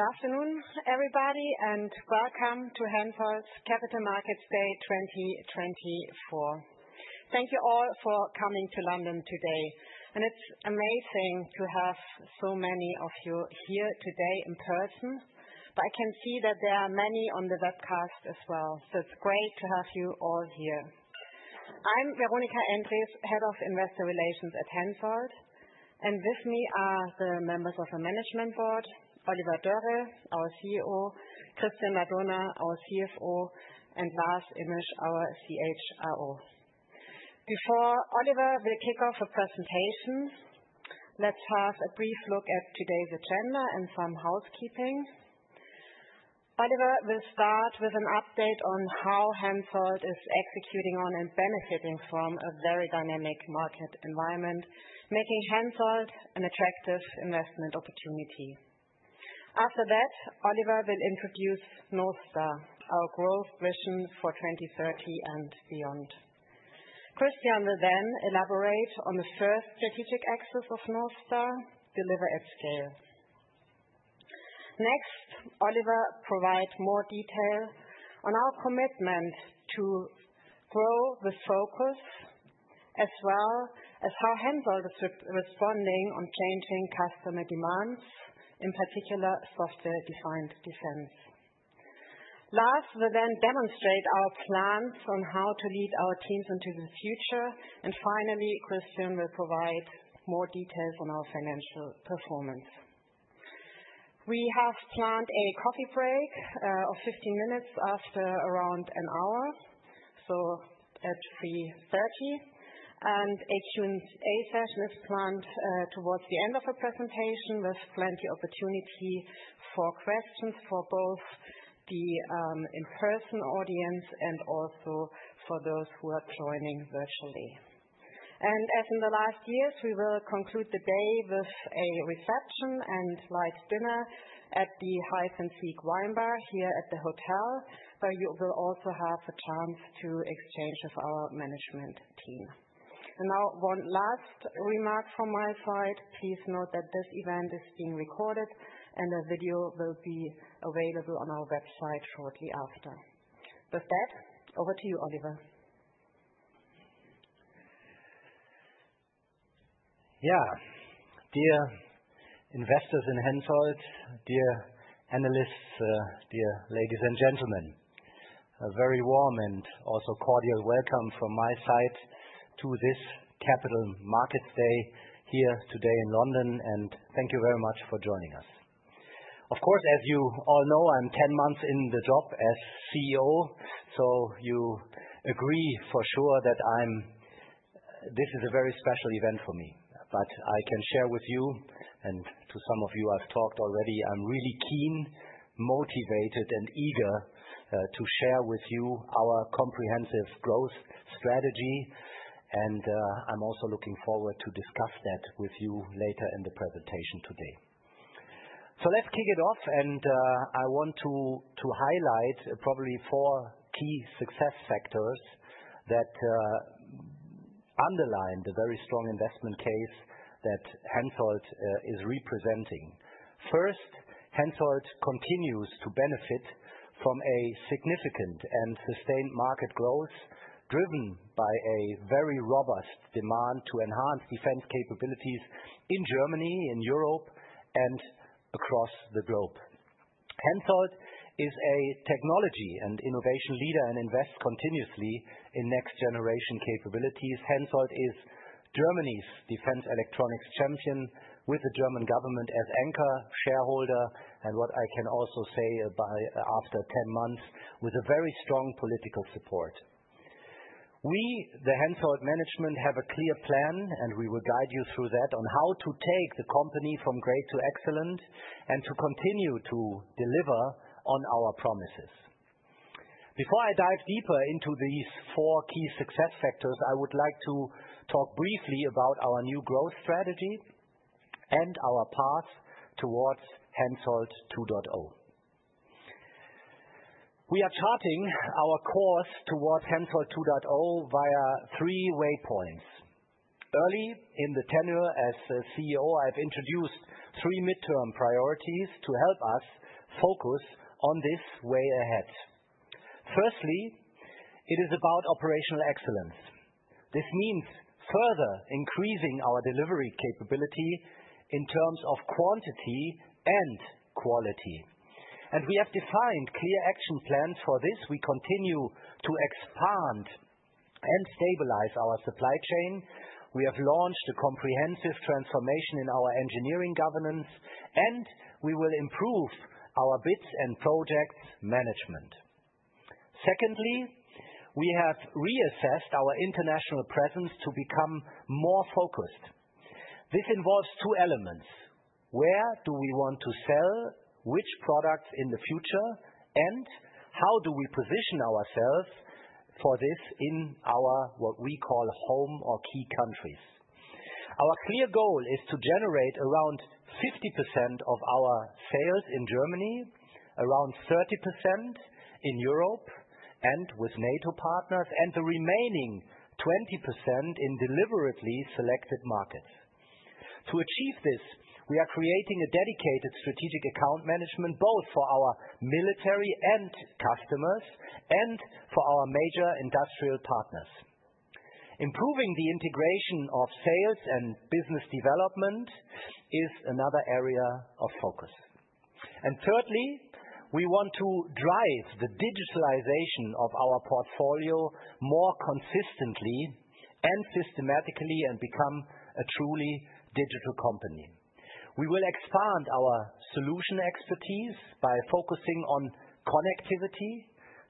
Good afternoon, everybody, and welcome to Hensoldt's Capital Markets Day 2024. Thank you all for coming to London today. It's amazing to have so many of you here today in person, but I can see that there are many on the webcast as well. It's great to have you all here. I'm Veronika Endres, Head of Investor Relations at Hensoldt, and with me are the members of the management board: Oliver Dörre, our CEO; Christian Ladurner, our CFO; and Lars Immisch, our CHRO. Before Oliver will kick off a presentation, let's have a brief look at today's agenda and some housekeeping. Oliver will start with an update on how Hensoldt is executing on and benefiting from a very dynamic market environment, making Hensoldt an attractive investment opportunity. After that, Oliver will introduce North Star, our growth vision for 2030 and beyond. Christian will then elaborate on the first strategic axis of North Star: deliver at scale. Next, Oliver will provide more detail on our commitment to grow the focus, as well as how Hensoldt is responding to changing customer demands, in particular Software-Defined Defense. Lars will then demonstrate our plans on how to lead our teams into the future. Finally, Christian will provide more details on our financial performance. We have planned a coffee break of 15 minutes after around an hour, so at 3:30. A Q&A session is planned towards the end of the presentation, with plenty of opportunity for questions for both the in-person audience and also for those who are joining virtually. As in the last years, we will conclude the day with a reception and light dinner at the Hithe + Seek Wine Bar here at the hotel, where you will also have a chance to exchange with our management team. Now, one last remark from my side: please note that this event is being recorded, and the video will be available on our website shortly after. With that, over to you, Oliver. Yes, dear investors in Hensoldt, dear analysts, dear ladies and gentlemen, a very warm and also cordial welcome from my side to this Capital Markets Day here today in London. Thank you very much for joining us. Of course, as you all know, I'm 10 months in the job as CEO, so you agree for sure that this is a very special event for me. I can share with you, and to some of you I've talked already, I'm really keen, motivated, and eager to share with you our comprehensive growth strategy. I'm also looking forward to discussing that with you later in the presentation today. Let's kick it off, and I want to highlight probably four key success factors that underline the very strong investment case that Hensoldt is representing. First, Hensoldt continues to benefit from a significant and sustained market growth driven by a very robust demand to enhance defense capabilities in Germany, in Europe, and across the globe. Hensoldt is a technology and innovation leader and invests continuously in next-generation capabilities. Hensoldt is Germany's defense electronics champion, with the German government as anchor shareholder, and what I can also say after 10 months, with very strong political support. We, the Hensoldt management, have a clear plan, and we will guide you through that on how to take the company from great to excellent and to continue to deliver on our promises. Before I dive deeper into these four key success factors, I would like to talk briefly about our new growth strategy and our path towards Hensoldt 2.0. We are charting our course towards Hensoldt 2.0 via three waypoints. Early in the tenure as CEO, I've introduced three midterm priorities to help us focus on this way ahead. Firstly, it is about operational excellence. This means further increasing our delivery capability in terms of quantity and quality. We have defined clear action plans for this. We continue to expand and stabilize our supply chain. We have launched a comprehensive transformation in our engineering governance, and we will improve our bids and projects management. Secondly, we have reassessed our international presence to become more focused. This involves two elements: where do we want to sell, which products in the future, and how do we position ourselves for this in our what we call home or key countries. Our clear goal is to generate around 50% of our sales in Germany, around 30% in Europe and with NATO partners, and the remaining 20% in deliberately selected markets. To achieve this, we are creating a dedicated strategic account management both for our military customers and for our major industrial partners. Improving the integration of sales and business development is another area of focus. Thirdly, we want to drive the digitalization of our portfolio more consistently and systematically and become a truly digital company. We will expand our solution expertise by focusing on connectivity,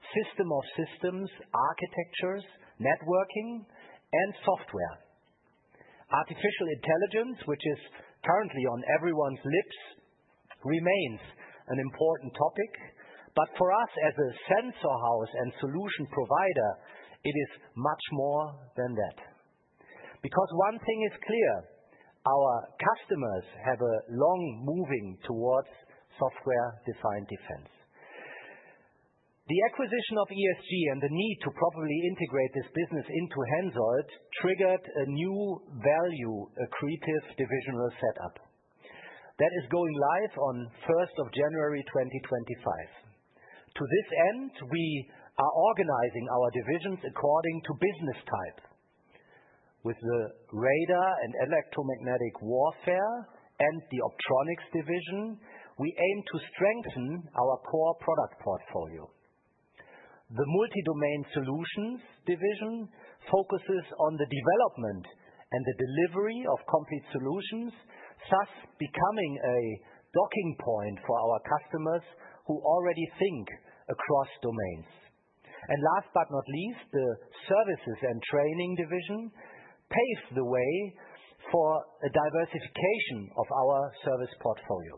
system of systems architectures, networking, and software. Artificial intelligence, which is currently on everyone's lips, remains an important topic. But for us, as a sensor house and solution provider, it is much more than that. Because one thing is clear: our customers have a long move towards Software-Defined Defense. The acquisition of ESG and the need to properly integrate this business into Hensoldt triggered a new value-accretive divisional setup that is going live on January 1, 2025. To this end, we are organizing our divisions according to business type. With the Radar and Electromagnetic Warfare and the Optronics division, we aim to strengthen our core product portfolio. The Multi-Domain Solutions division focuses on the development and the delivery of complete solutions, thus becoming a docking point for our customers who already think across domains. Last but not least, the Services and Training division paves the way for a diversification of our service portfolio.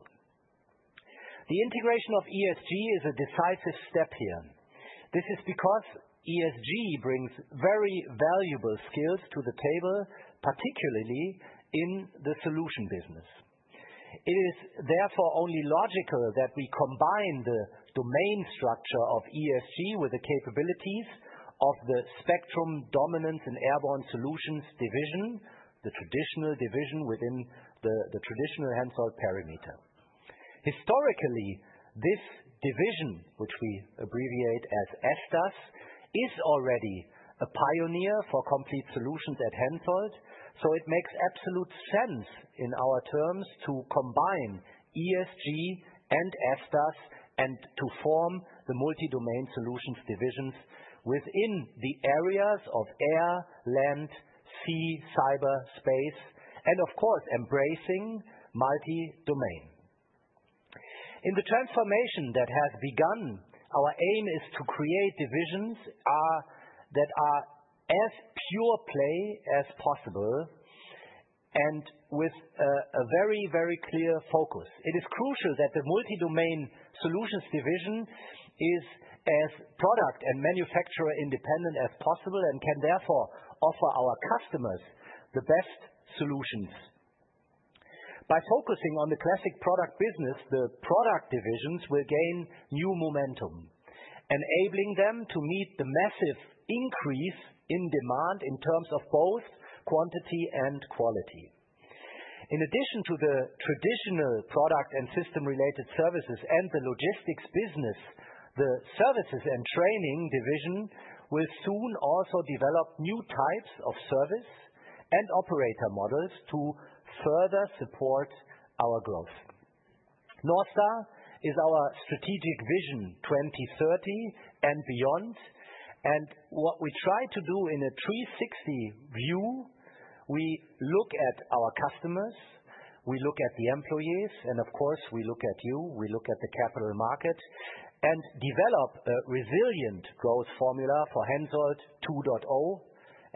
The integration of ESG is a decisive step here. This is because ESG brings very valuable skills to the table, particularly in the solution business. It is therefore only logical that we combine the domain structure of ESG with the capabilities of the spectrum dominance and airborne solutions division, the traditional division within the traditional Hensoldt perimeter. Historically, this division, which we abbreviate as SDAS, is already a pioneer for complete solutions at Hensoldt. So it makes absolute sense in our terms to combine ESG and SDAS and to form the Multi-Domain Solutions division within the areas of air, land, sea, cyber, space, and of course, embracing multi-domain. In the transformation that has begun, our aim is to create divisions that are as pure-play as possible and with a very, very clear focus. It is crucial that the Multi-Domain Solutions division is as product and manufacturer independent as possible and can therefore offer our customers the best solutions. By focusing on the classic product business, the product divisions will gain new momentum, enabling them to meet the massive increase in demand in terms of both quantity and quality. In addition to the traditional product and system-related services and the logistics business, the Services and Training division will soon also develop new types of service and operator models to further support our growth. North Star is our strategic vision 2030 and beyond. What we try to do in a 360 view, we look at our customers, we look at the employees, and of course, we look at you, we look at the capital market, and develop a resilient growth formula for Hensoldt 2.0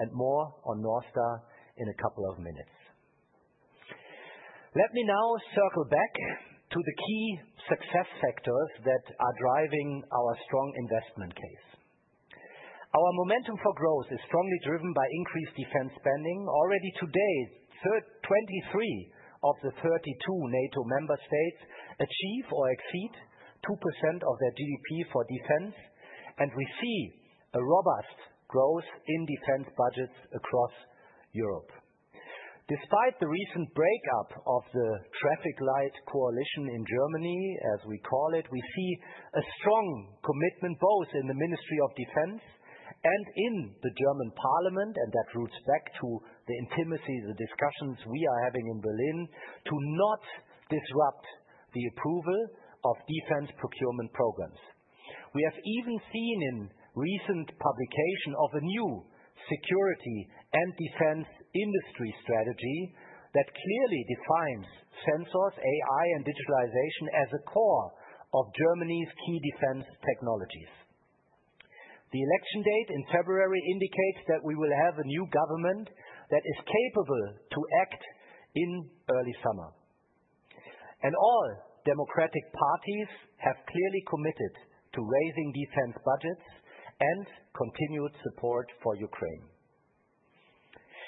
and more on North Star in a couple of minutes. Let me now circle back to the key success factors that are driving our strong investment case. Our momentum for growth is strongly driven by increased defense spending. Already today, 23 of the 32 NATO member states achieve or exceed 2% of their GDP for defense, and we see a robust growth in defense budgets across Europe. Despite the recent breakup of the Traffic Light Coalition in Germany, as we call it, we see a strong commitment both in the Ministry of Defense and in the German Parliament, and that roots back to the intimacy, the discussions we are having in Berlin, to not disrupt the approval of defense procurement programs. We have even seen in recent publication of a new security and defense industry strategy that clearly defines sensors, AI, and digitalization as a core of Germany's key defense technologies. The election date in February indicates that we will have a new government that is capable to act in early summer. All democratic parties have clearly committed to raising defense budgets and continued support for Ukraine.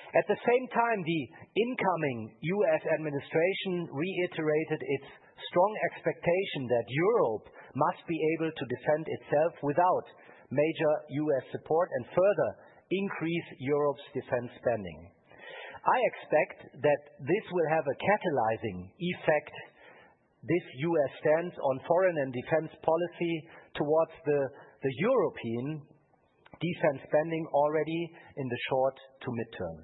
At the same time, the incoming US administration reiterated its strong expectation that Europe must be able to defend itself without major US support and further increase Europe's defense spending. I expect that this will have a catalyzing effect, this US stance on foreign and defense policy towards the European defense spending already in the short to midterm.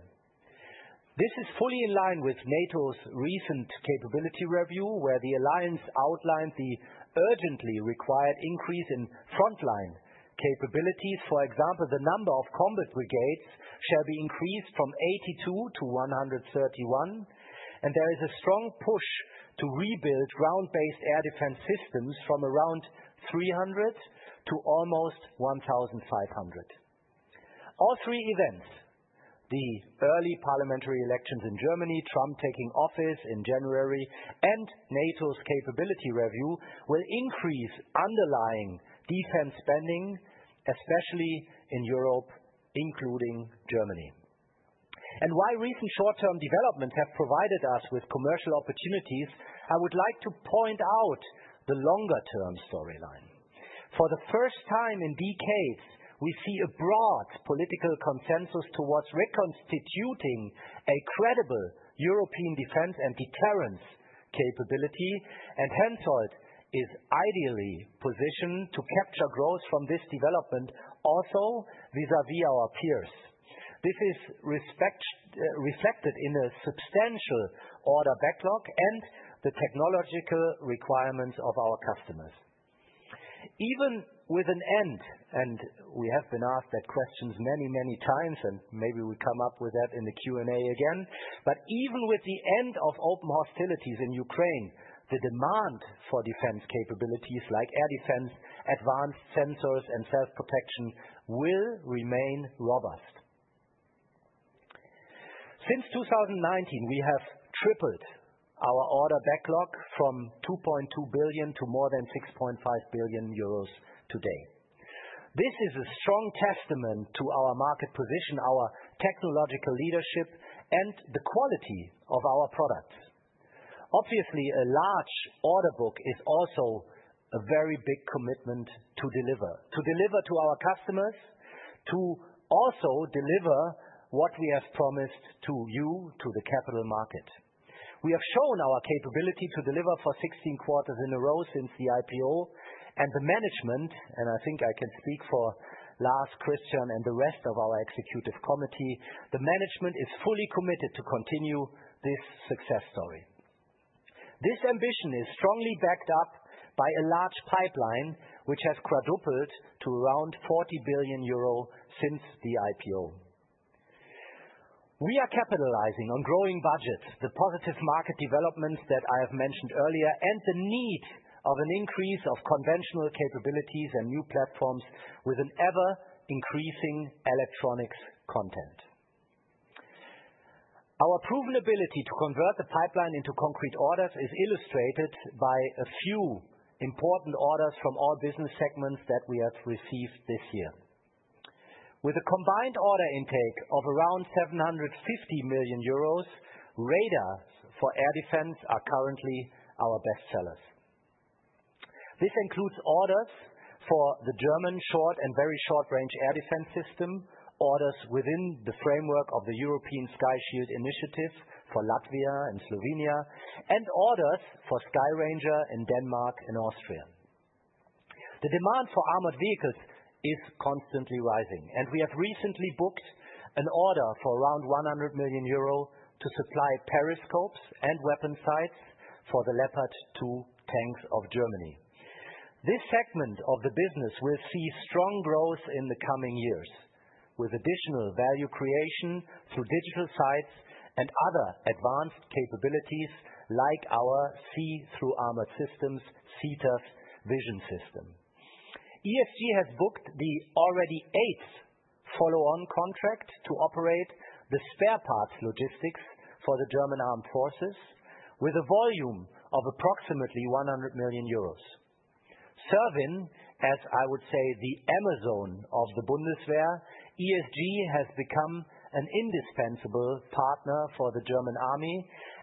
This is fully in line with NATO's recent capability review, where the alliance outlined the urgently required increase in frontline capabilities. For example, the number of combat brigades shall be increased from 82 to 131, and there is a strong push to rebuild ground-based air defense systems from around 300 to almost 1,500. All three events, the early parliamentary elections in Germany, Trump taking office in January, and NATO's capability review will increase underlying defense spending, especially in Europe, including Germany. While recent short-term developments have provided us with commercial opportunities, I would like to point out the longer-term storyline. For the first time in decades, we see a broad political consensus towards reconstituting a credible European defense and deterrence capability, and Hensoldt is ideally positioned to capture growth from this development also vis-à-vis our peers. This is reflected in a substantial order backlog and the technological requirements of our customers. Even with an end, and we have been asked that question many, many times, and maybe we come up with that in the Q&A again, but even with the end of open hostilities in Ukraine, the demand for defense capabilities like air defense, advanced Sensors, and self-protection will remain robust. Since 2019, we have tripled our order backlog from 2 billion to more than 6.5 billion euros today. This is a strong testament to our market position, our technological leadership, and the quality of our products. Obviously, a large order book is also a very big commitment to deliver to our customers, to also deliver what we have promised to you, to the capital market. We have shown our capability to deliver for 16 quarters in a row since the IPO, and the management, and I think I can speak for Lars, Christian and the rest of our executive committee, the management is fully committed to continue this success story. This ambition is strongly backed up by a large pipeline, which has quadrupled to around 40 billion euro since the IPO. We are capitalizing on growing budgets, the positive market developments that I have mentioned earlier, and the need of an increase of conventional capabilities and new platforms with an ever-increasing electronics content. Our proven ability to convert the pipeline into concrete orders is illustrated by a few important orders from all business segments that we have received this year. With a combined order intake of around 750 million euros, radars for air defense are currently our best sellers. This includes orders for the German short and very short-range air defense system, orders within the framework of the European Sky Shield Initiative for Latvia and Slovenia, and orders for Skyranger in Denmark and Austria. The demand for armored vehicles is constantly rising, and we have recently booked an order for around 100 million euro to supply periscopes and weapon sites for the Leopard 2 tanks of Germany. This segment of the business will see strong growth in the coming years with additional value creation through digital sites and other advanced capabilities like our see-through armored systems, SETAS vision system. ESG has booked the already eighth follow-on contract to operate the spare parts logistics for the German Armed Forces with a volume of approximately 100 million euros. Serving as, I would say, the Amazon of the Bundeswehr, ESG has become an indispensable partner for the German army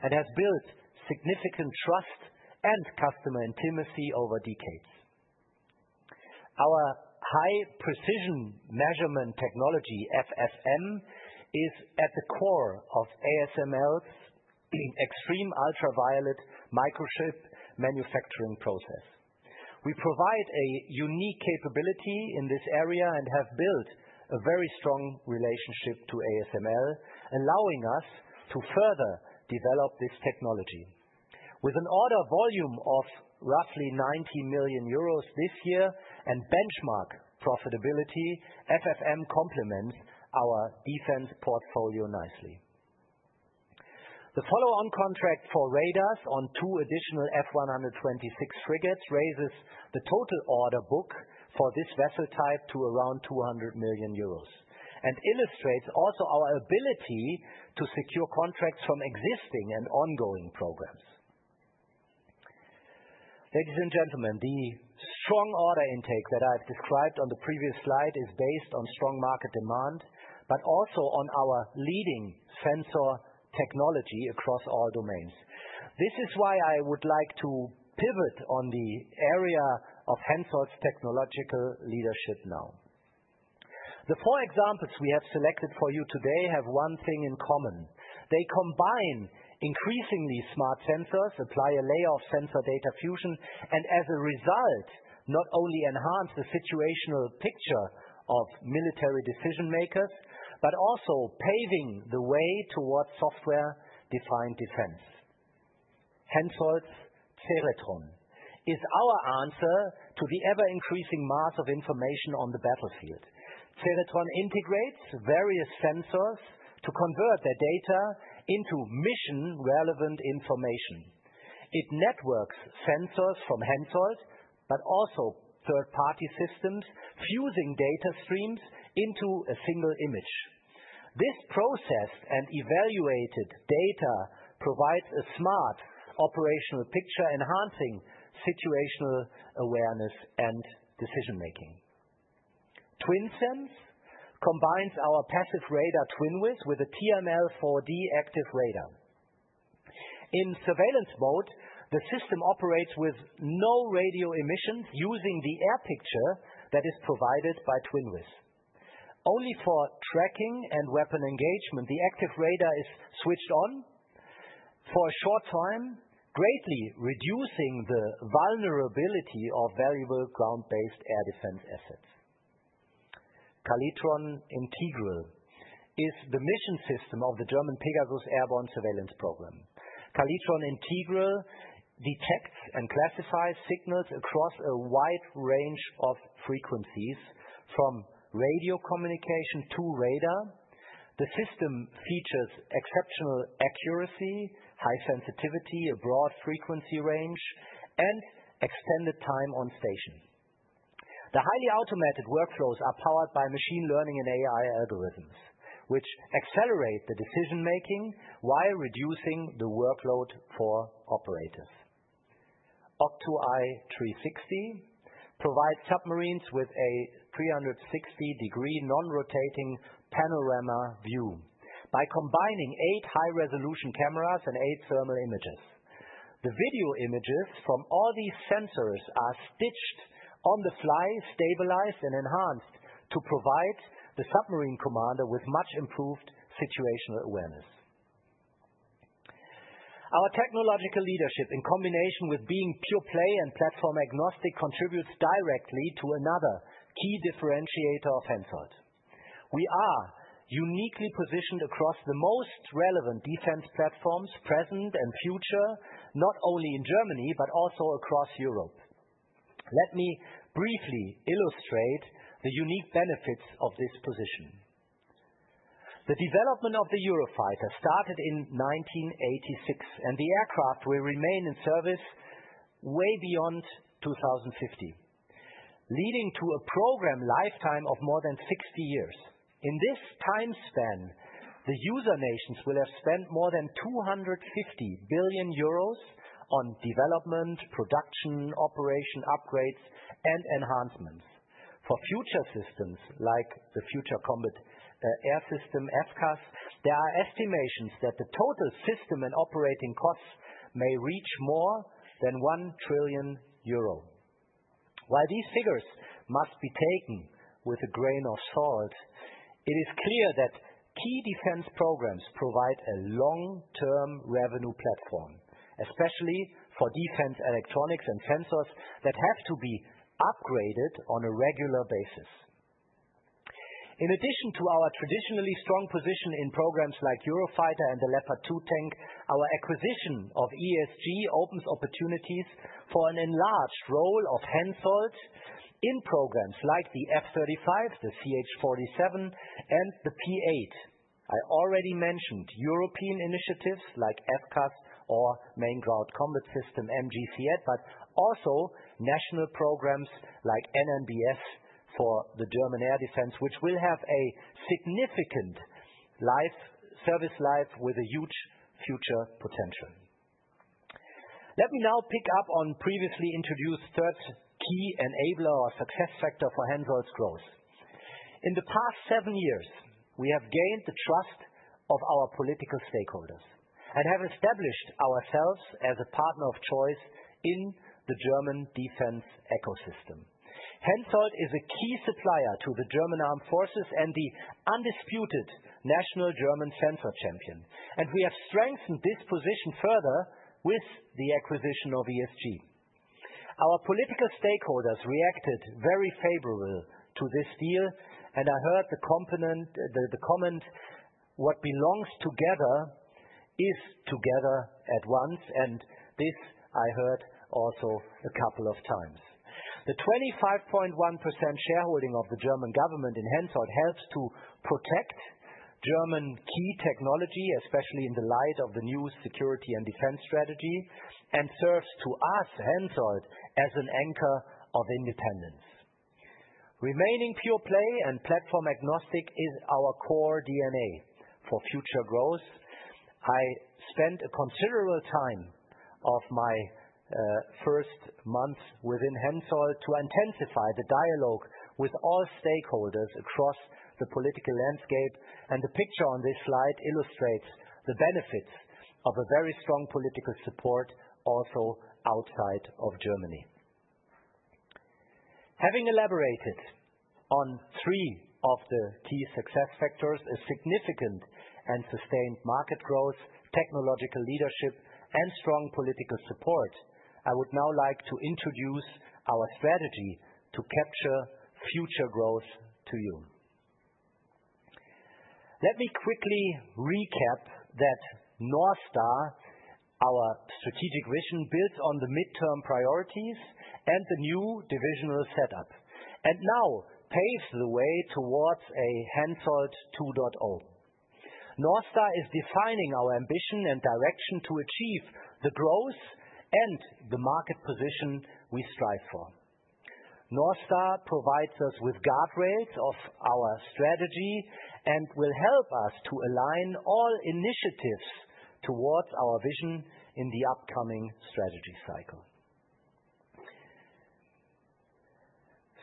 and has built significant trust and customer intimacy over decades. Our high precision measurement technology, IFF, is at the core of ASML's extreme ultraviolet microchip manufacturing process. We provide a unique capability in this area and have built a very strong relationship to ASML, allowing us to further develop this technology. With an order volume of roughly 90 million euros this year and benchmark profitability, IFF complements our defense portfolio nicely. The follow-on contract for radars on two additional F-126 frigates raises the total order book for this vessel type to around 200 million euros and illustrates also our ability to secure contracts from existing and ongoing programs. Ladies and gentlemen, the strong order intake that I've described on the previous slide is based on strong market demand, but also on our leading sensor technology across all domains. This is why I would like to pivot on the area of Hensoldt's technological leadership now. The four examples we have selected for you today have one thing in common. They combine increasingly smart Sensors, apply a layer of sensor data fusion, and as a result, not only enhance the situational picture of military decision makers, but also paving the way towards Software-Defined Defense. Hensoldt's Sferion is our answer to the ever-increasing mass of information on the battlefield. Sferion integrates various Sensors to convert their data into mission-relevant information. It networks Sensors from Hensoldt, but also third-party systems, fusing data streams into a single image. This processed and evaluated data provides a smart operational picture, enhancing situational awareness and decision-making. TwinSens combines our passive radar Twinvis with a TRML-4D active radar. In surveillance mode, the system operates with no radio emissions using the air picture that is provided by Twinvis. Only for tracking and weapon engagement, the active radar is switched on for a short time, greatly reducing the vulnerability of valuable ground-based air defense assets. Kalaetron Integral is the mission system of the German Pegasus Airborne Surveillance Program. Kalaetron Integral detects and classifies signals across a wide range of frequencies, from radio communication to radar. The system features exceptional accuracy, high sensitivity, a broad frequency range, and extended time on station. The highly automated workflows are powered by machine learning and AI algorithms, which accelerate the decision-making while reducing the workload for operators. OctoEye 360 provides submarines with a 360-degree non-rotating panorama view by combining eight high-resolution cameras and eight thermal images. The video images from all these Sensors are stitched on the fly, stabilized, and enhanced to provide the submarine commander with much improved situational awareness. Our technological leadership, in combination with being pure-play and platform-agnostic, contributes directly to another key differentiator of Hensoldt. We are uniquely positioned across the most relevant defense platforms present and future, not only in Germany, but also across Europe. Let me briefly illustrate the unique benefits of this position. The development of the Eurofighter started in 1986, and the aircraft will remain in service way beyond 2050, leading to a program lifetime of more than 60 years. In this time span, the user nations will have spent more than 250 billion euros on development, production, operation upgrades, and enhancements. For future systems like the Future Combat Air System, FCAS, there are estimations that the total system and operating costs may reach more than 1 trillion euro. While these figures must be taken with a grain of salt, it is clear that key defense programs provide a long-term revenue platform, especially for defense electronics and Sensors that have to be upgraded on a regular basis. In addition to our traditionally strong position in programs like Eurofighter and the Leopard 2 tank, our acquisition of ESG opens opportunities for an enlarged role of Hensoldt in programs like the F-35, the CH-47, and the P-8. I already mentioned European initiatives like FCAS or Main Ground Combat System, MGCS, but also national programs like NNbS for the German air defense, which will have a significant service life with a huge future potential. Let me now pick up on previously introduced third key enabler or success factor for Hensoldt's growth. In the past seven years, we have gained the trust of our political stakeholders and have established ourselves as a partner of choice in the German defense ecosystem. Hensoldt is a key supplier to the German armed forces and the undisputed national German sensor champion, and we have strengthened this position further with the acquisition of ESG. Our political stakeholders reacted very favorably to this deal, and I heard the comment, "What belongs together is together at once," and this I heard also a couple of times. The 25.1% shareholding of the German government in Hensoldt helps to protect German key technology, especially in the light of the new security and defense strategy, and serves to us, Hensoldt, as an anchor of independence. Remaining pure-play and platform-agnostic is our core DNA for future growth. I spent a considerable time of my first month within Hensoldt to intensify the dialogue with all stakeholders across the political landscape, and the picture on this slide illustrates the benefits of a very strong political support also outside of Germany. Having elaborated on three of the key success factors, significant and sustained market growth, technological leadership, and strong political support, I would now like to introduce our strategy to capture future growth to you. Let me quickly recap that North Star, our strategic vision, builds on the midterm priorities and the new divisional setup, and now paves the way towards a Hensoldt 2.0. North Star is defining our ambition and direction to achieve the growth and the market position we strive for. North Star provides us with guardrails of our strategy and will help us to align all initiatives towards our vision in the upcoming strategy cycle.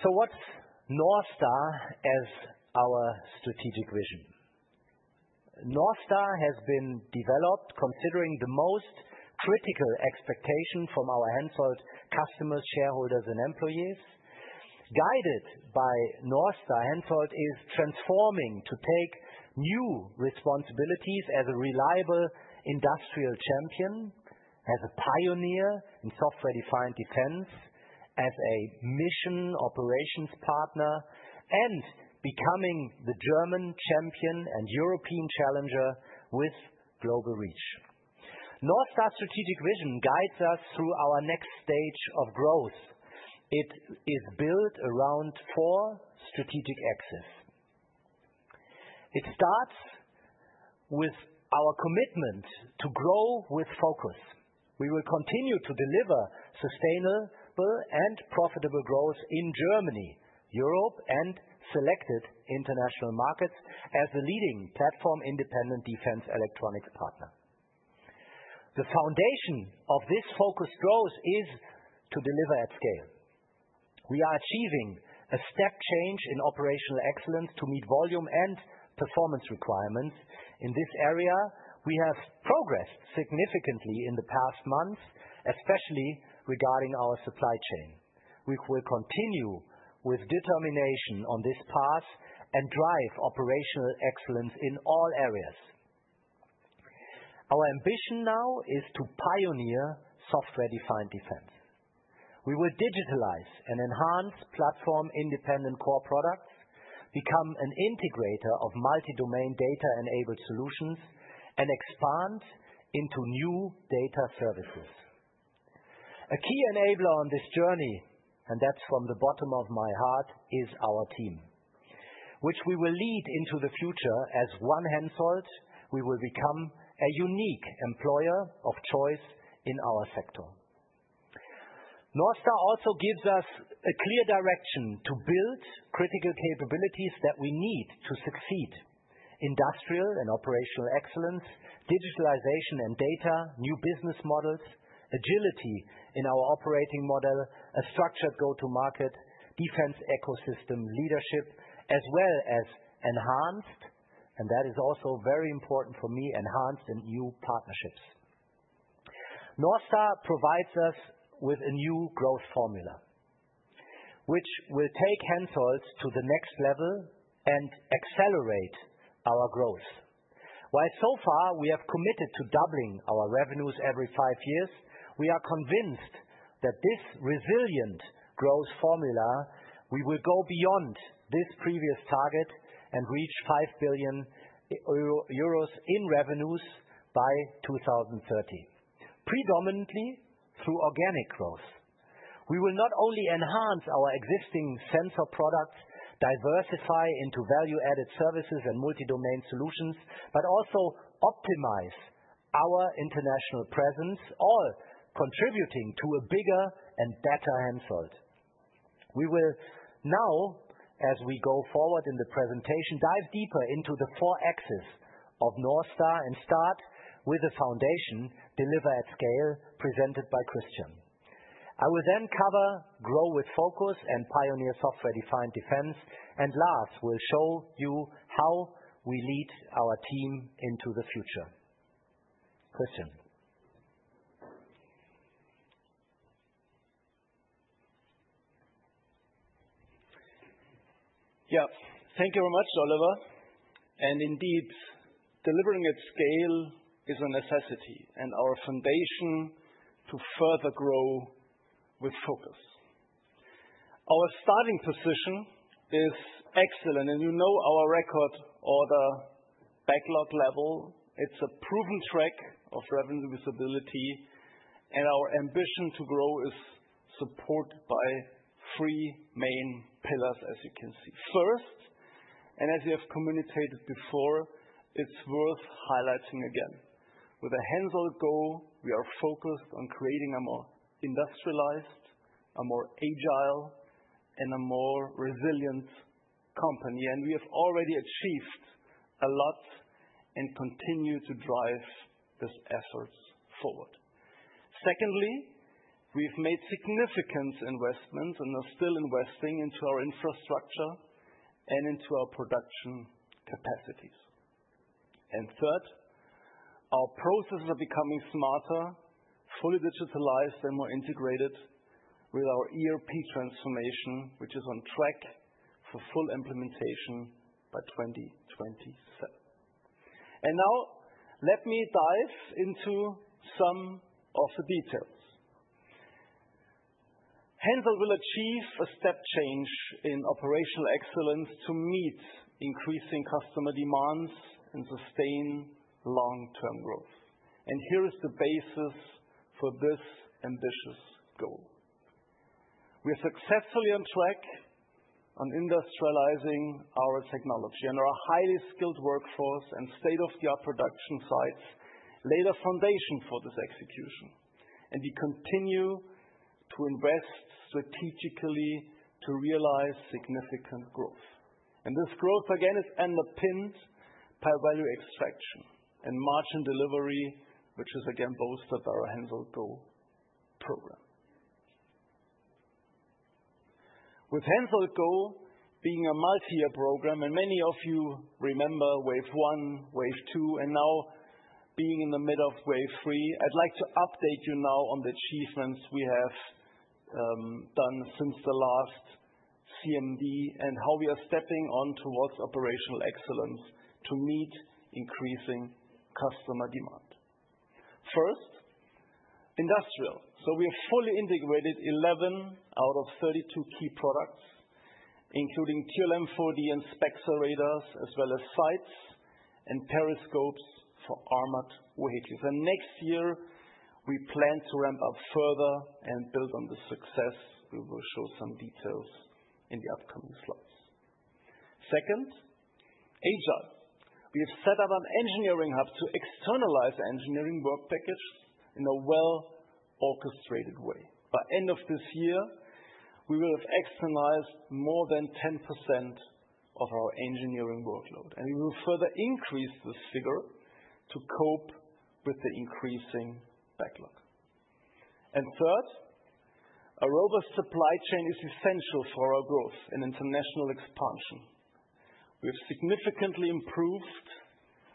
So what's North Star as our strategic vision? North Star has been developed considering the most critical expectations from our Hensoldt customers, shareholders, and employees. Guided by North Star, Hensoldt is transforming to take new responsibilities as a reliable industrial champion, as a pioneer in Software-Defined Defense, as a mission operations partner, and becoming the German champion and European challenger with global reach. North Star's strategic vision guides us through our next stage of growth. It is built around four strategic axes. It starts with our commitment to grow with focus. We will continue to deliver sustainable and profitable growth in Germany, Europe, and selected international markets as the leading platform-independent defense electronics partner. The foundation of this focused growth is to deliver at scale. We are achieving a step change in operational excellence to meet volume and performance requirements. In this area, we have progressed significantly in the past months, especially regarding our supply chain. We will continue with determination on this path and drive operational excellence in all areas. Our ambition now is to pioneer Software-Defined Defense. We will digitalize and enhance platform-independent core products, become an integrator of multi-domain data-enabled solutions, and expand into new data services. A key enabler on this journey, and that's from the bottom of my heart, is our team, which we will lead into the future as one Hensoldt. We will become a unique employer of choice in our sector. North Star also gives us a clear direction to build critical capabilities that we need to succeed: industrial and operational excellence, digitalization and data, new business models, agility in our operating model, a structured go-to-market, defense ecosystem leadership, as well as enhanced, and that is also very important for me, enhanced and new partnerships. North Star provides us with a new growth formula, which will take Hensoldt to the next level and accelerate our growth. While so far we have committed to doubling our revenues every five years, we are convinced that this resilient growth formula will go beyond this previous target and reach 5 billion euros in revenues by 2030, predominantly through organic growth. We will not only enhance our existing sensor products, diversify into value-added services and multi-domain solutions, but also optimize our international presence, all contributing to a bigger and better Hensoldt. We will now, as we go forward in the presentation, dive deeper into the four axes of North Star and start with the foundation, deliver at scale, presented by Christian. I will then cover grow with focus and pioneer Software-Defined Defense, and last, we'll show you how we lead our team into the future. Christian. Yeah, thank you very much, Oliver. Indeed, delivering at scale is a necessity and our foundation to further grow with focus. Our starting position is excellent, and you know our record or the backlog level. It's a proven track of revenue visibility, and our ambition to grow is supported by three main pillars, as you can see. First, and as you have communicated before, it's worth highlighting again. With a Hensoldt GO, we are focused on creating a more industrialized, more agile, and more resilient company, and we have already achieved a lot and continue to drive these efforts forward. Secondly, we've made significant investments and are still investing into our infrastructure and into our production capacities. Third, our processes are becoming smarter, fully digitalized, and more integrated with our ERP transformation, which is on track for full implementation by 2027. Now let me dive into some of the details. Hensoldt will achieve a step change in operational excellence to meet increasing customer demands and sustain long-term growth. Here is the basis for this ambitious goal. We are successfully on track on industrializing our technology, and there are highly skilled workforce and state-of-the-art production sites laid as a foundation for this execution. We continue to invest strategically to realize significant growth. This growth, again, is underpinned by value extraction and margin delivery, which is again bolstered by our Hensoldt GO program. With Hensoldt GO being a multi-year program, and many of you remember wave one, wave two, and now being in the middle of wave three, I'd like to update you now on the achievements we have done since the last CMD and how we are stepping on towards operational excellence to meet increasing customer demand. First, industrial. We have fully integrated 11 out of 32 key products, including TRML-4D and SPEXER radars, as well as sights and periscopes for armored vehicles. Next year, we plan to ramp up further and build on the success. We will show some details in the upcoming slots. Second, agile. We have set up an engineering hub to externalize engineering work packages in a well-orchestrated way. By the end of this year, we will have externalized more than 10% of our engineering workload, and we will further increase this figure to cope with the increasing backlog. Third, a robust supply chain is essential for our growth and international expansion. We have significantly improved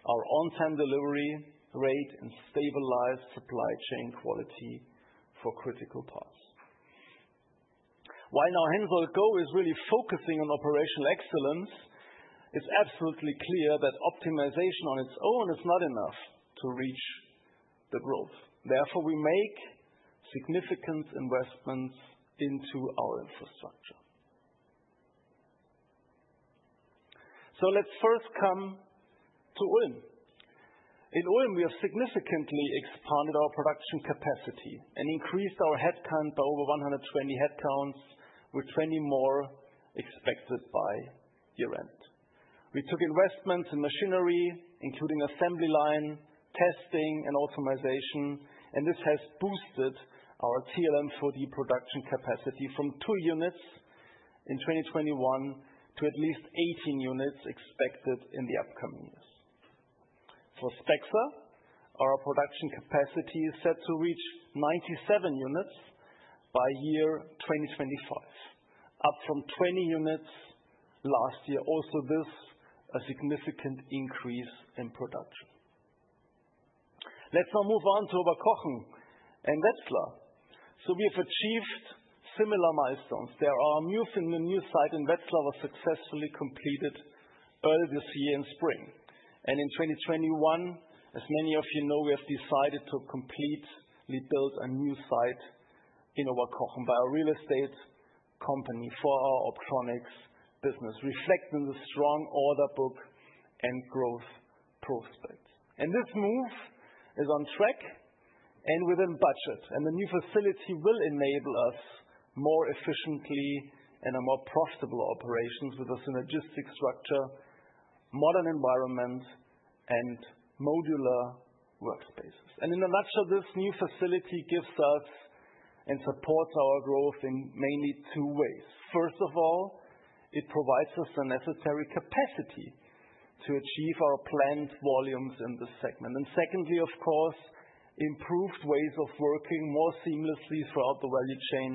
our on-time delivery rate and stabilized supply chain quality for critical parts. While our Hensoldt GO is really focusing on operational excellence, it's absolutely clear that optimization on its own is not enough to reach the growth. Therefore, we make significant investments into our infrastructure. Let's first come to Ulm. In Ulm, we have significantly expanded our production capacity and increased our headcount by over 120 headcounts, with 20 more expected by year-end. We took investments in machinery, including assembly line, testing, and optimization, and this has boosted our TRML-4D production capacity from two units in 2021 to at least 18 units expected in the upcoming years. For SPEXER, our production capacity is set to reach 97 units by year 2025, up from 20 units last year. This is a significant increase in production. Let's now move on to Oberkochen and Wetzlar. We have achieved similar milestones. There is news and a new site in Wetzlar was successfully completed early this year in spring. In 2021, as many of you know, we decided to completely build a new site in Oberkochen by a real estate company for our optronics business, reflecting the strong order book and growth prospects. This move is on track and within budget, and the new facility will enable us more efficiently and more profitable operations with a synergistic structure, modern environment, and modular workspaces. In a nutshell, this new facility gives us and supports our growth in mainly two ways. First of all, it provides us the necessary capacity to achieve our planned volumes in this segment. Secondly, of course, improved ways of working more seamlessly throughout the value chain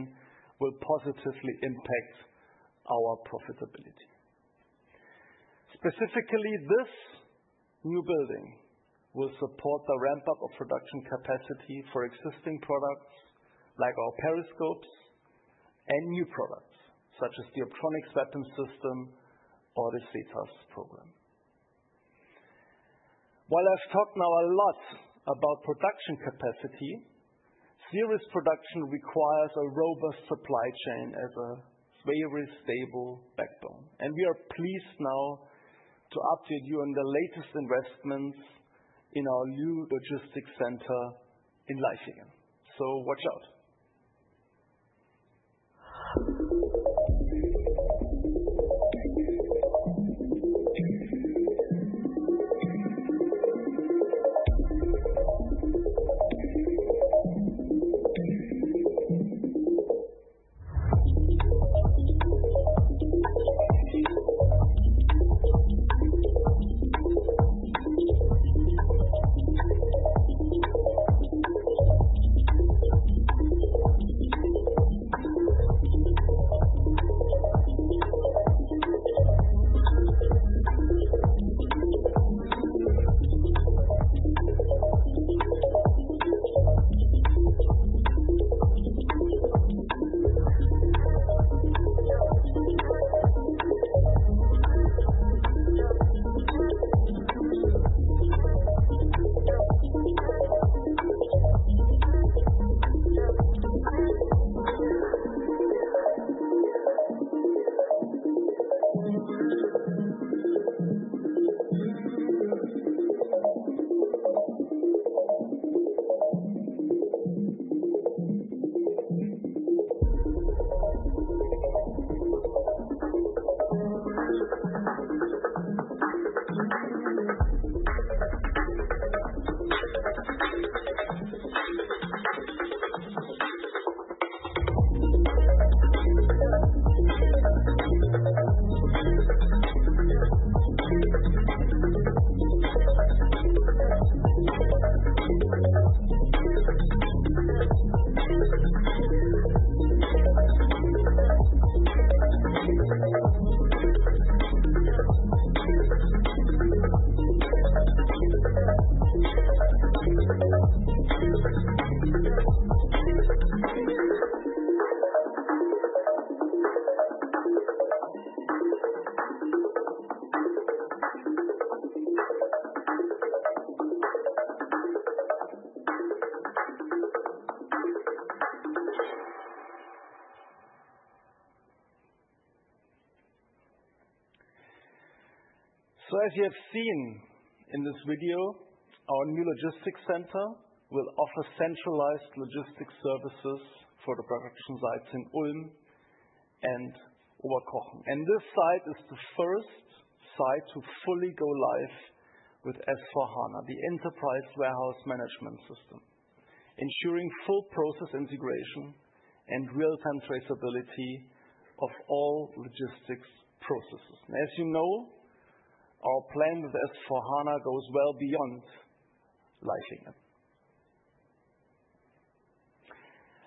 will positively impact our profitability. Specifically, this new building will support the ramp-up of production capacity for existing products like our periscopes and new products such as the optronics weapon system or the SETAS program. While I've talked now a lot about production capacity, serious production requires a robust supply chain as a very stable backbone. We are pleased now to update you on the latest investments in our new logistics center in Laichingen. As you have seen in this video, our new logistics center will offer centralized logistics services for the production sites in Ulm and Oberkochen. This site is the first site to fully go live with S/4HANA, the enterprise warehouse management system, ensuring full process integration and real-time traceability of all logistics processes. As you know, our plan with S/4HANA goes well beyond Laichingen.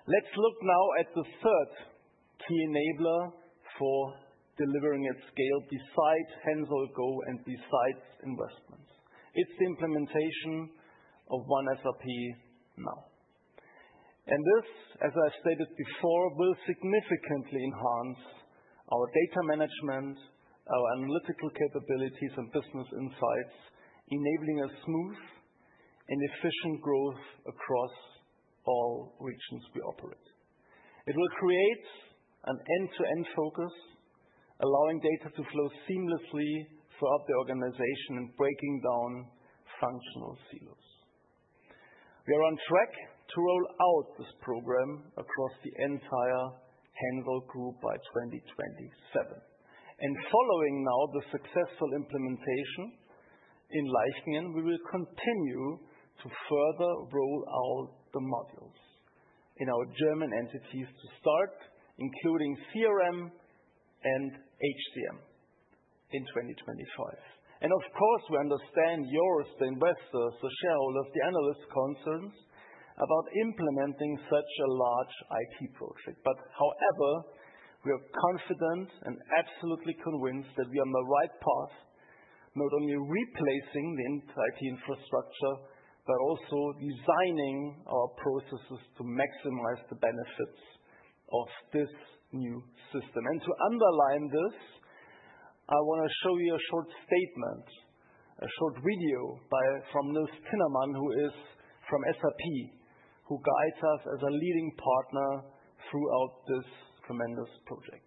Let's look now at the third key enabler for delivering at scale besides Hensoldt GO and besides investments. It's the implementation of OneSAP now. This, as I've stated before, will significantly enhance our data management, our analytical capabilities, and business insights, enabling a smooth and efficient growth across all regions we operate. It will create an end-to-end focus, allowing data to flow seamlessly throughout the organization and breaking down functional silos. We are on track to roll out this program across the entire Hensoldt group by 2027. Following now the successful implementation in Laichingen, we will continue to further roll out the modules in our German entities to start, including CRM and HCM in 2025. Of course, we understand yours, the investors, the shareholders, the analysts' concerns about implementing such a large IT project. However, we are confident and absolutely convinced that we are on the right path, not only replacing the entire IT infrastructure, but also designing our processes to maximize the benefits of this new system. To underline this, I want to show you a short statement, a short video from Nils Thiemann, who is from SAP, who guides us as a leading partner throughout this tremendous project.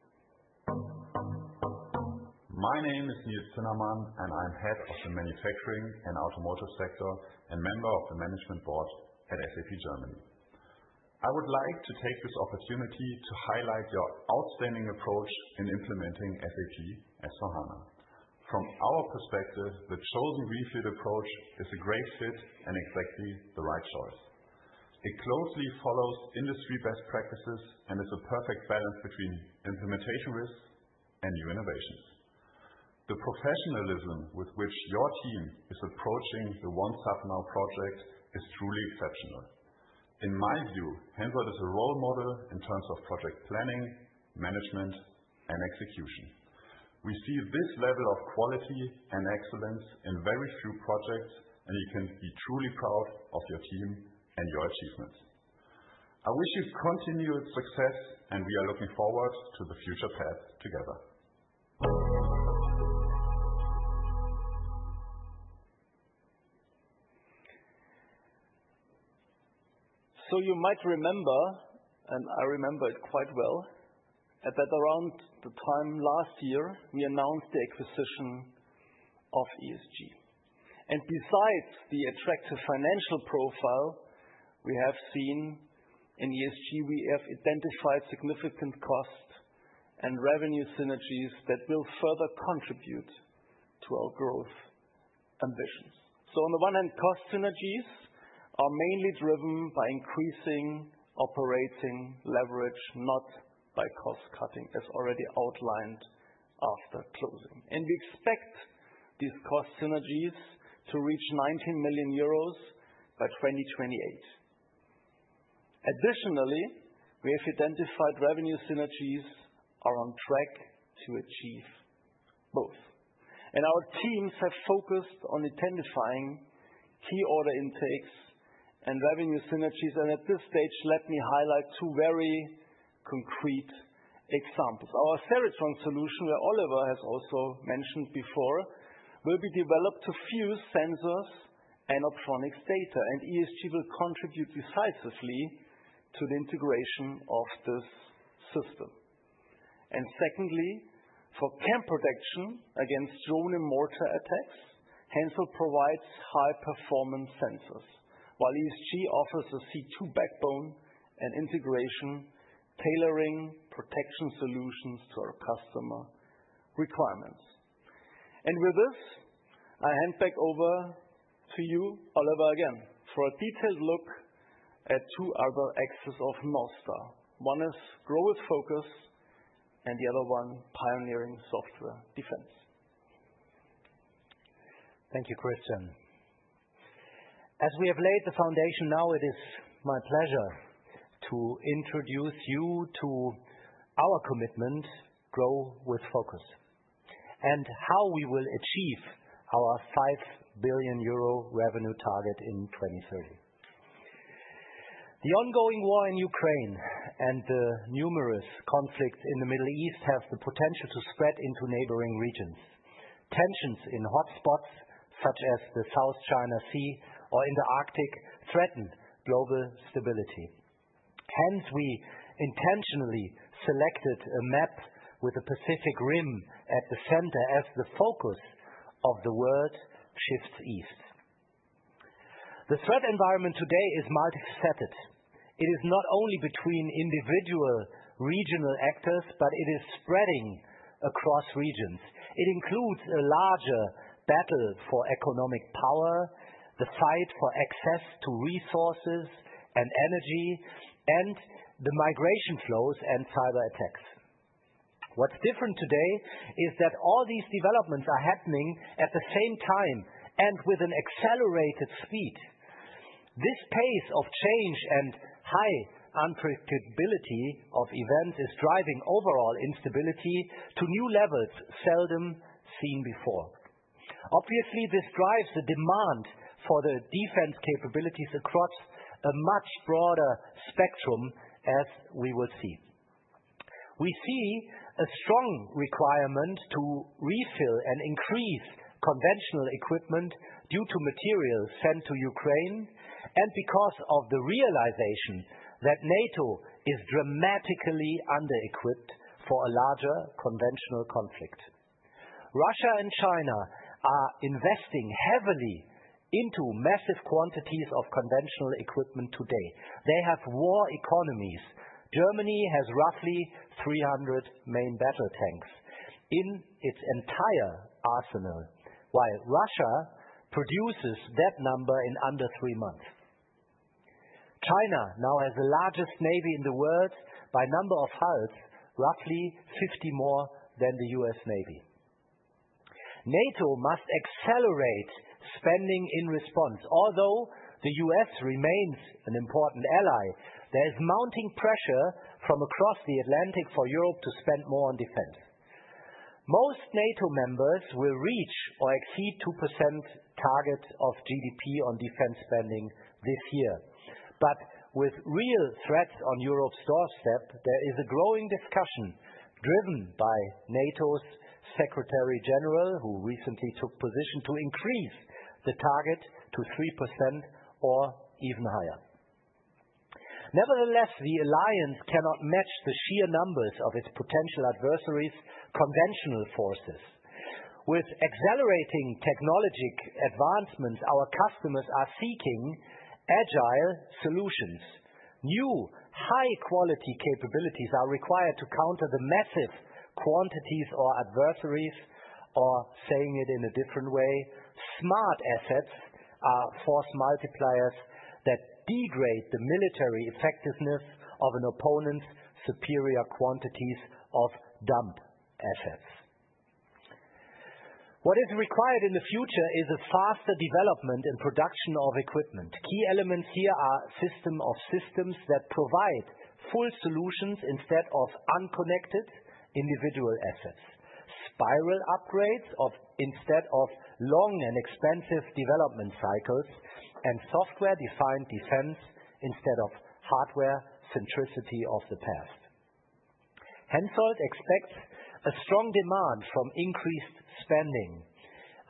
My name is Nils Tinnemann, and I'm head of the manufacturing and automotive sector and member of the management board at SAP Germany. I would like to take this opportunity to highlight your outstanding approach in implementing SAP S/4HANA. From our perspective, the chosen greenfield approach is a great fit and exactly the right choice. It closely follows industry best practices and is a perfect balance between implementation risks and new innovations. The professionalism with which your team is approaching the One SAP Now project is truly exceptional. In my view, Hensoldt is a role model in terms of project planning, management, and execution. We see this level of quality and excellence in very few projects, and you can be truly proud of your team and your achievements. I wish you continued success, and we are looking forward to the future path together. You might remember, and I remember it quite well, that around the time last year, we announced the acquisition of ESG. Besides the attractive financial profile we have seen in ESG, we have identified significant cost and revenue synergies that will further contribute to our growth ambitions. On the one hand, cost synergies are mainly driven by increasing operating leverage, not by cost cutting, as already outlined after closing. We expect these cost synergies to reach 19 million euros by 2028. Additionally, we have identified revenue synergies are on track to achieve both. Our teams have focused on identifying key order intakes and revenue synergies. At this stage, let me highlight two very concrete examples. Our Kalaetron solution, where Oliver has also mentioned before, will be developed to fuse Sensors and optronics data, and ESG will contribute decisively to the integration of this system. Secondly, for camp protection against drone and mortar attacks, Hensoldt provides high-performance Sensors, while ESG offers a C2 backbone and integration tailoring protection solutions to our customer requirements. With this, I hand back over to you, Oliver, again for a detailed look at two other axes of North Star. One is grow with focus, and the other one is pioneering software defense. Thank you, Christian. As we have laid the foundation, now it is my pleasure to introduce you to our commitment, grow with focus, and how we will achieve our 5 billion euro revenue target in 2030. The ongoing war in Ukraine and the numerous conflicts in the Middle East have the potential to spread into neighboring regions. Tensions in hotspots such as the South China Sea or in the Arctic threaten global stability. Hence, we intentionally selected a map with the Pacific Rim at the center as the focus of the world shifts east. The threat environment today is multifaceted. It is not only between individual regional actors, but it is spreading across regions. It includes a larger battle for economic power, the fight for access to resources and energy, and the migration flows and cyber attacks. What's different today is that all these developments are happening at the same time and with an accelerated speed. This pace of change and high unpredictability of events is driving overall instability to new levels seldom seen before. Obviously, this drives the demand for the defense capabilities across a much broader spectrum, as we will see. We see a strong requirement to refill and increase conventional equipment due to materials sent to Ukraine and because of the realization that NATO is dramatically under-equipped for a larger conventional conflict. Russia and China are investing heavily into massive quantities of conventional equipment today. They have war economies. Germany has roughly 300 main battle tanks in its entire arsenal, while Russia produces that number in under three months. China now has the largest navy in the world by number of hulls, roughly 50 more than the U.S. Navy. NATO must accelerate spending in response. Although the U.S. remains an important ally, there is mounting pressure from across the Atlantic for Europe to spend more on defense. Most NATO members will reach or exceed the 2% target of GDP on defense spending this year. But with real threats on Europe's doorstep, there is a growing discussion driven by NATO's Secretary General, who recently took the position to increase the target to 3% or even higher. Nevertheless, the alliance cannot match the sheer numbers of its potential adversaries' conventional forces. With accelerating technological advancements, our customers are seeking agile solutions. New high-quality capabilities are required to counter the massive quantities of adversaries, or saying it in a different way, smart assets are force multipliers that degrade the military effectiveness of an opponent's superior quantities of dumb assets. What is required in the future is faster development and production of equipment. Key elements here are systems of systems that provide full solutions instead of unconnected individual assets, spiral upgrades instead of long and expensive development cycles, and Software-Defined Defense instead of hardware centricity of the past. Hensoldt expects a strong demand from increased spending.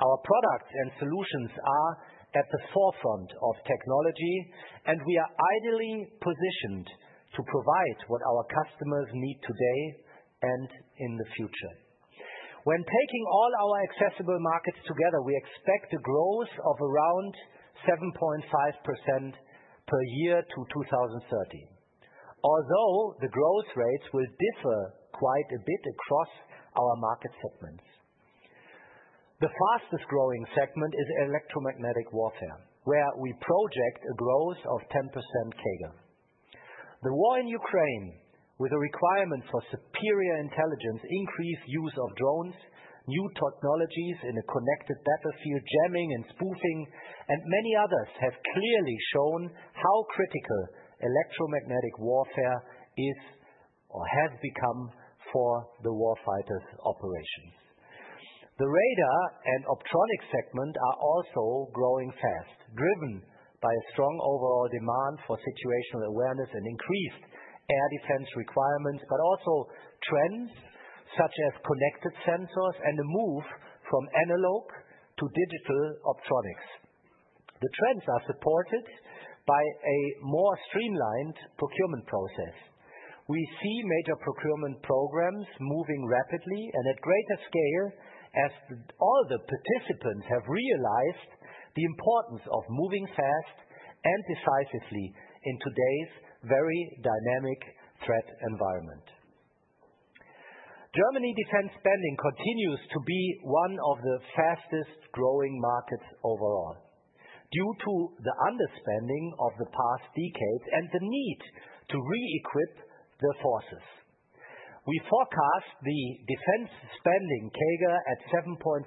Our products and solutions are at the forefront of technology, and we are ideally positioned to provide what our customers need today and in the future. When taking all our accessible markets together, we expect a growth of around 7.5% per year to 2030, although the growth rates will differ quite a bit across our market segments. The fastest growing segment is electromagnetic warfare, where we project a growth of 10% CAGR. The war in Ukraine, with a requirement for superior intelligence, increased use of drones, new technologies in a connected battlefield, jamming and spoofing, and many others have clearly shown how critical electromagnetic warfare is or has become for the warfighters' operations. The radar and optronics segment are also growing fast, driven by a strong overall demand for situational awareness and increased air defense requirements, but also trends such as connected Sensors and a move from analog to digital optronics. The trends are supported by a more streamlined procurement process. We see major procurement programs moving rapidly and at greater scale as all the participants have realized the importance of moving fast and decisively in today's very dynamic threat environment. Germany's defense spending continues to be one of the fastest growing markets overall due to the underspending of the past decades and the need to re-equip the forces. We forecast the defense spending CAGR at 7.4%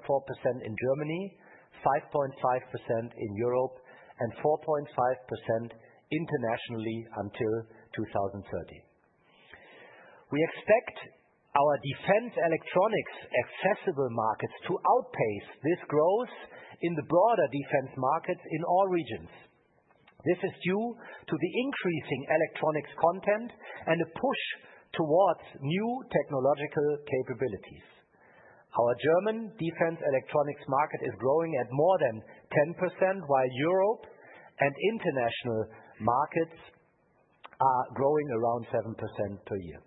in Germany, 5.5% in Europe, and 4.5% internationally until 2030. We expect our defense electronics accessible markets to outpace this growth in the broader defense markets in all regions. This is due to the increasing electronics content and a push towards new technological capabilities. Our German defense electronics market is growing at more than 10%, while Europe and international markets are growing around 7% per year.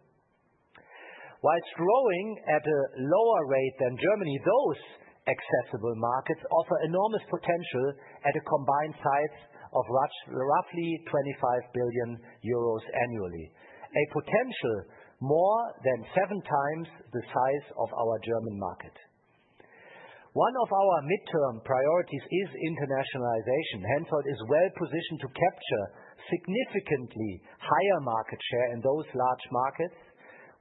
While growing at a lower rate than Germany, those accessible markets offer enormous potential at a combined size of roughly 25 billion euros annually, a potential more than seven times the size of our German market. One of our midterm priorities is internationalization. Hensoldt is well positioned to capture significantly higher market share in those large markets.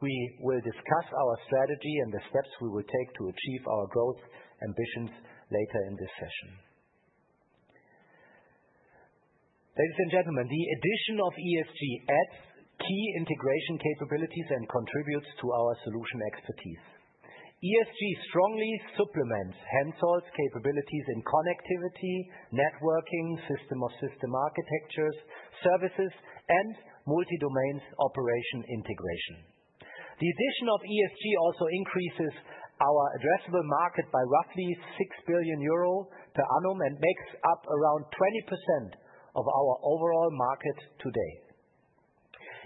We will discuss our strategy and the steps we will take to achieve our growth ambitions later in this session. Ladies and gentlemen, the addition of ESG adds key integration capabilities and contributes to our solution expertise. ESG strongly supplements Hensoldt's capabilities in connectivity, networking, system-of-systems architectures, services, and multi-domain operation integration. The addition of ESG also increases our addressable market by roughly 6 billion euro per annum and makes up around 20% of our overall market today.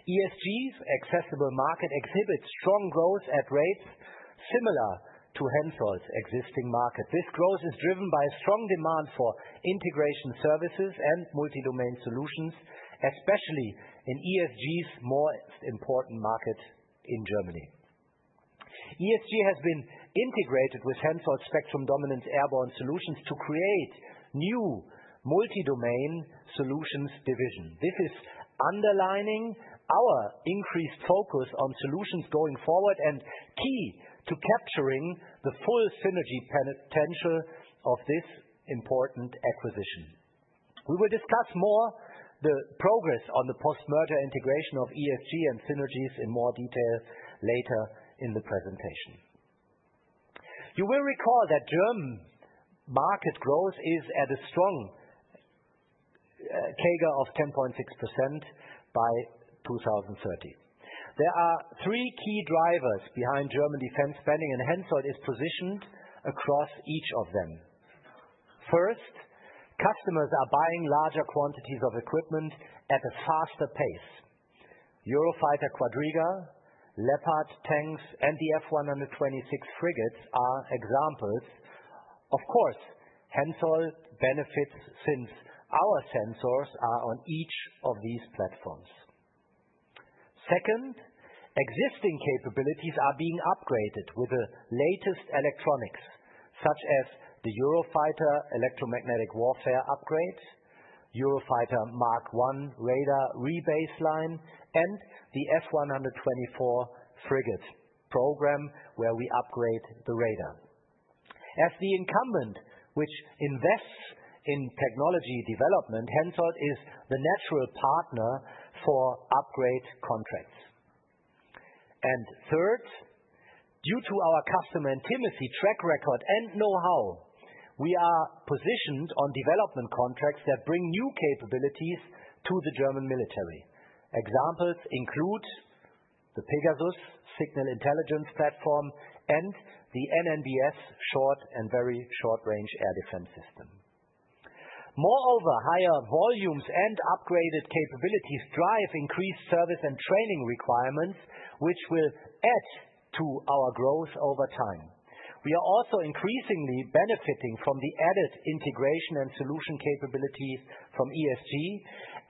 ESG's addressable market exhibits strong growth at rates similar to Hensoldt's existing market. This growth is driven by strong demand for integration services and multi-domain solutions, especially in ESG's most important market in Germany. ESG has been integrated with Hensoldt's spectrum dominance airborne solutions to create new Multi-Domain Solutions division. This is underlining our increased focus on solutions going forward and key to capturing the full synergy potential of this important acquisition. We will discuss more the progress on the post-merger integration of ESG and synergies in more detail later in the presentation. You will recall that German market growth is at a strong CAGR of 10.6% by 2030. There are three key drivers behind German defense spending, and Hensoldt is positioned across each of them. First, customers are buying larger quantities of equipment at a faster pace. Eurofighter Quadriga, Leopard tanks, and the F-126 frigates are examples. Of course, Hensoldt benefits since our Sensors are on each of these platforms. Second, existing capabilities are being upgraded with the latest electronics, such as the Eurofighter electromagnetic warfare upgrades, Eurofighter Mark I radar rebaseline, and the F-124 frigate program, where we upgrade the radar. As the incumbent which invests in technology development, Hensoldt is the natural partner for upgrade contracts. Third, due to our customer intimacy, track record, and know-how, we are positioned on development contracts that bring new capabilities to the German military. Examples include the Pegasus signal intelligence platform and the NNbS short and very short-range air defense system. Moreover, higher volumes and upgraded capabilities drive increased service and training requirements, which will add to our growth over time. We are also increasingly benefiting from the added integration and solution capabilities from ESG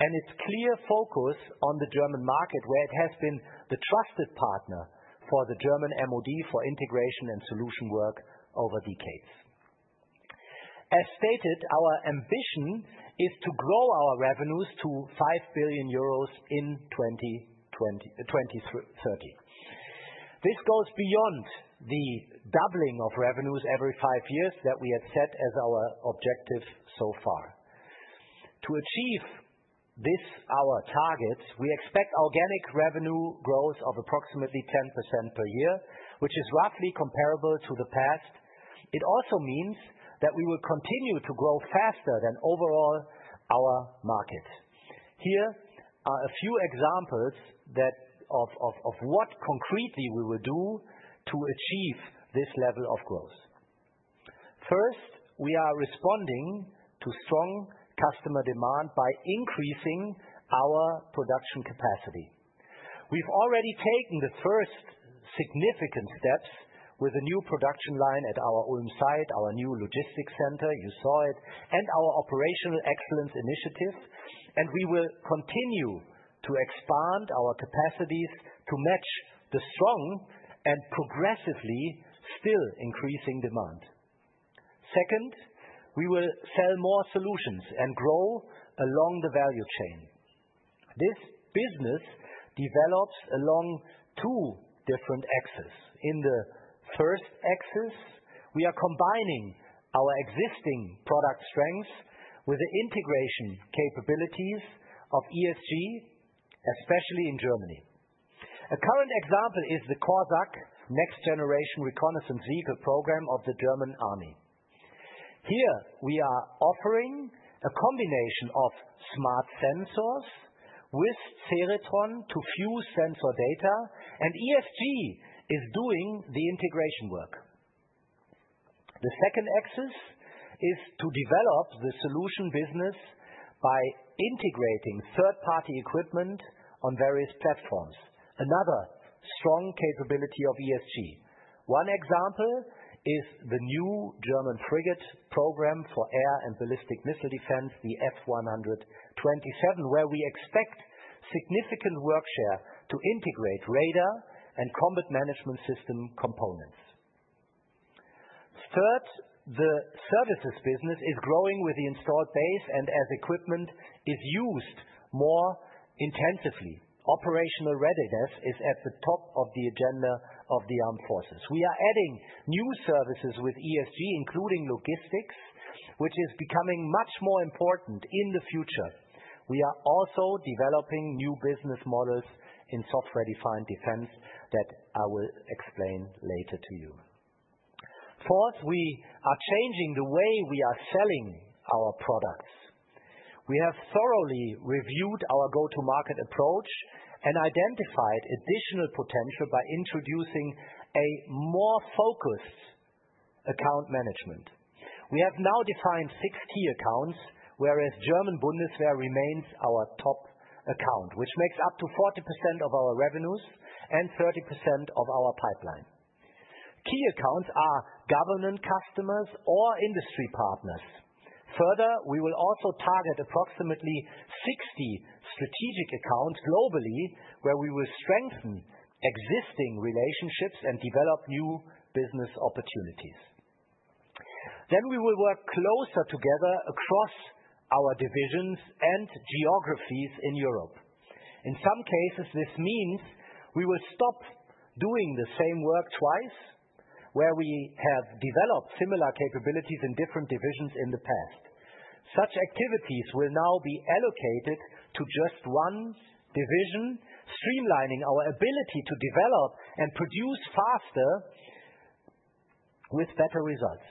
and its clear focus on the German market, where it has been the trusted partner for the German MoD for integration and solution work over decades. As stated, our ambition is to grow our revenues to 5 billion euros in 2030. This goes beyond the doubling of revenues every five years that we have set as our objective so far. To achieve our targets, we expect organic revenue growth of approximately 10% per year, which is roughly comparable to the past. It also means that we will continue to grow faster than overall our market. Here are a few examples of what concretely we will do to achieve this level of growth. First, we are responding to strong customer demand by increasing our production capacity. We've already taken the first significant steps with a new production line at our Ulm site, our new logistics center, you saw it, and our operational excellence initiative, and we will continue to expand our capacities to match the strong and progressively still increasing demand. Second, we will sell more solutions and grow along the value chain. This business develops along two different axes. In the first axis, we are combining our existing product strengths with the integration capabilities of ESG, especially in Germany. A current example is the Korsak, next-generation reconnaissance vehicle program of the German army. Here, we are offering a combination of smart Sensors with Sferion to fuse sensor data, and ESG is doing the integration work. The second axis is to develop the solution business by integrating third-party equipment on various platforms, another strong capability of ESG. One example is the new German frigate program for air and ballistic missile defense, the F-127, where we expect significant work share to integrate radar and combat management system components. Third, the services business is growing with the installed base and as equipment is used more intensively. Operational readiness is at the top of the agenda of the armed forces. We are adding new services with ESG, including logistics, which is becoming much more important in the future. We are also developing new business models in Software-Defined Defense that I will explain later to you. Fourth, we are changing the way we are selling our products. We have thoroughly reviewed our go-to-market approach and identified additional potential by introducing a more focused account management. We have now defined six key accounts, whereas German Bundeswehr remains our top account, which makes up to 40% of our revenues and 30% of our pipeline. Key accounts are government customers or industry partners. Further, we will also target approximately 60 strategic accounts globally, where we will strengthen existing relationships and develop new business opportunities. Then we will work closer together across our divisions and geographies in Europe. In some cases, this means we will stop doing the same work twice, where we have developed similar capabilities in different divisions in the past. Such activities will now be allocated to just one division, streamlining our ability to develop and produce faster with better results.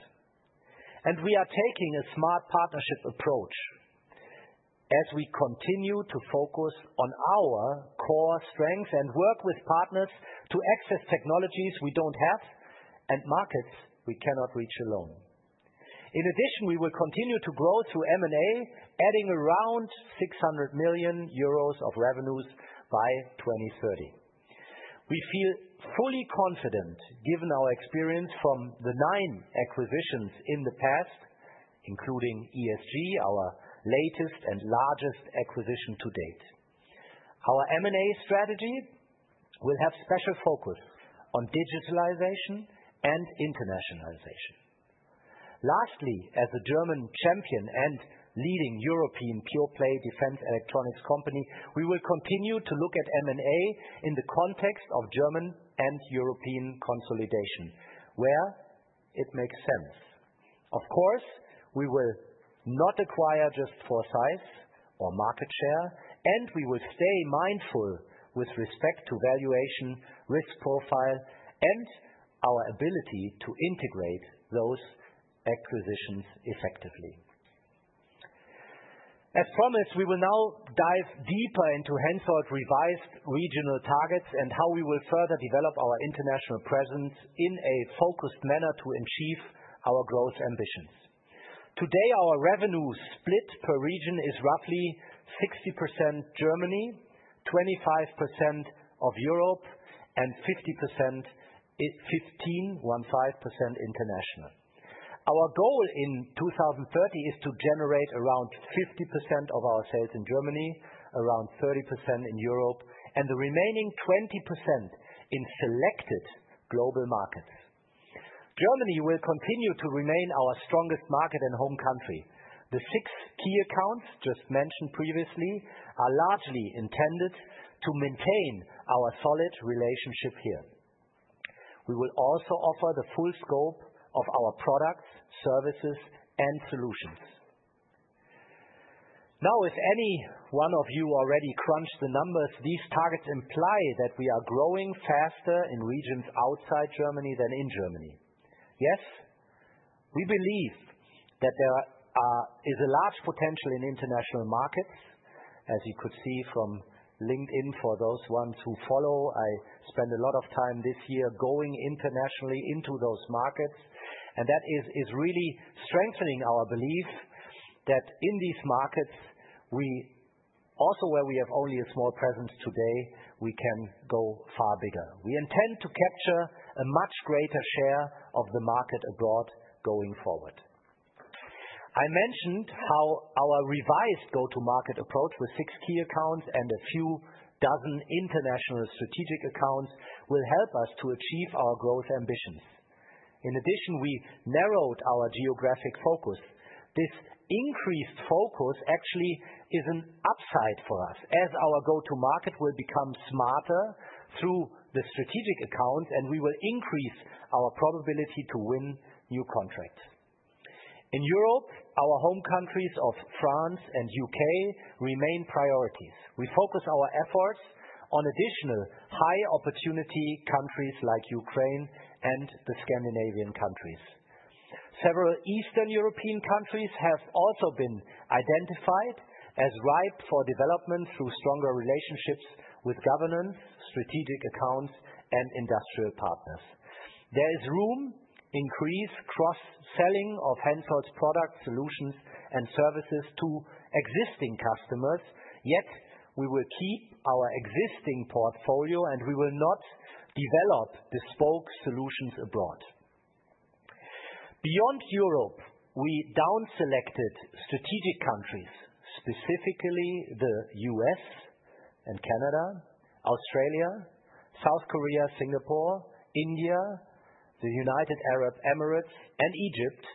We are taking a smart partnership approach as we continue to focus on our core strengths and work with partners to access technologies we don't have and markets we cannot reach alone. In addition, we will continue to grow through M&A, adding around 600 million euros of revenues by 2030. We feel fully confident, given our experience from the nine acquisitions in the past, including ESG, our latest and largest acquisition to date. Our M&A strategy will have special focus on digitalization and internationalization. Lastly, as a German champion and leading European pure-play defense electronics company, we will continue to look at M&A in the context of German and European consolidation, where it makes sense. Of course, we will not acquire just for size or market share, and we will stay mindful with respect to valuation, risk profile, and our ability to integrate those acquisitions effectively. As promised, we will now dive deeper into Hensoldt's revised regional targets and how we will further develop our international presence in a focused manner to achieve our growth ambitions. Today, our revenue split per region is roughly 60% Germany, 25% Europe, and 15% international. Our goal in 2030 is to generate around 50% of our sales in Germany, around 30% in Europe, and the remaining 20% in selected global markets. Germany will continue to remain our strongest market and home country. The six key accounts just mentioned previously are largely intended to maintain our solid relationship here. We will also offer the full scope of our products, services, and solutions. Now, if any one of you already crunched the numbers, these targets imply that we are growing faster in regions outside Germany than in Germany. Yes, we believe that there is a large potential in international markets. As you could see from LinkedIn, for those ones who follow, I spend a lot of time this year going internationally into those markets, and that is really strengthening our belief that in these markets, also where we have only a small presence today, we can go far bigger. We intend to capture a much greater share of the market abroad going forward. I mentioned how our revised go-to-market approach with six key accounts and a few dozen international strategic accounts will help us to achieve our growth ambitions. In addition, we narrowed our geographic focus. This increased focus actually is an upside for us, as our go-to-market will become smarter through the strategic accounts, and we will increase our probability to win new contracts. In Europe, our home countries of France and the UK remain priorities. We focus our efforts on additional high-opportunity countries like Ukraine and the Scandinavian countries. Several Eastern European countries have also been identified as ripe for development through stronger relationships with governance, strategic accounts, and industrial partners. There is room to increase cross-selling of Hensoldt's products, solutions, and services to existing customers, yet we will keep our existing portfolio, and we will not develop bespoke solutions abroad. Beyond Europe, we down-selected strategic countries, specifically the US and Canada, Australia, South Korea, Singapore, India, the United Arab Emirates, and Egypt,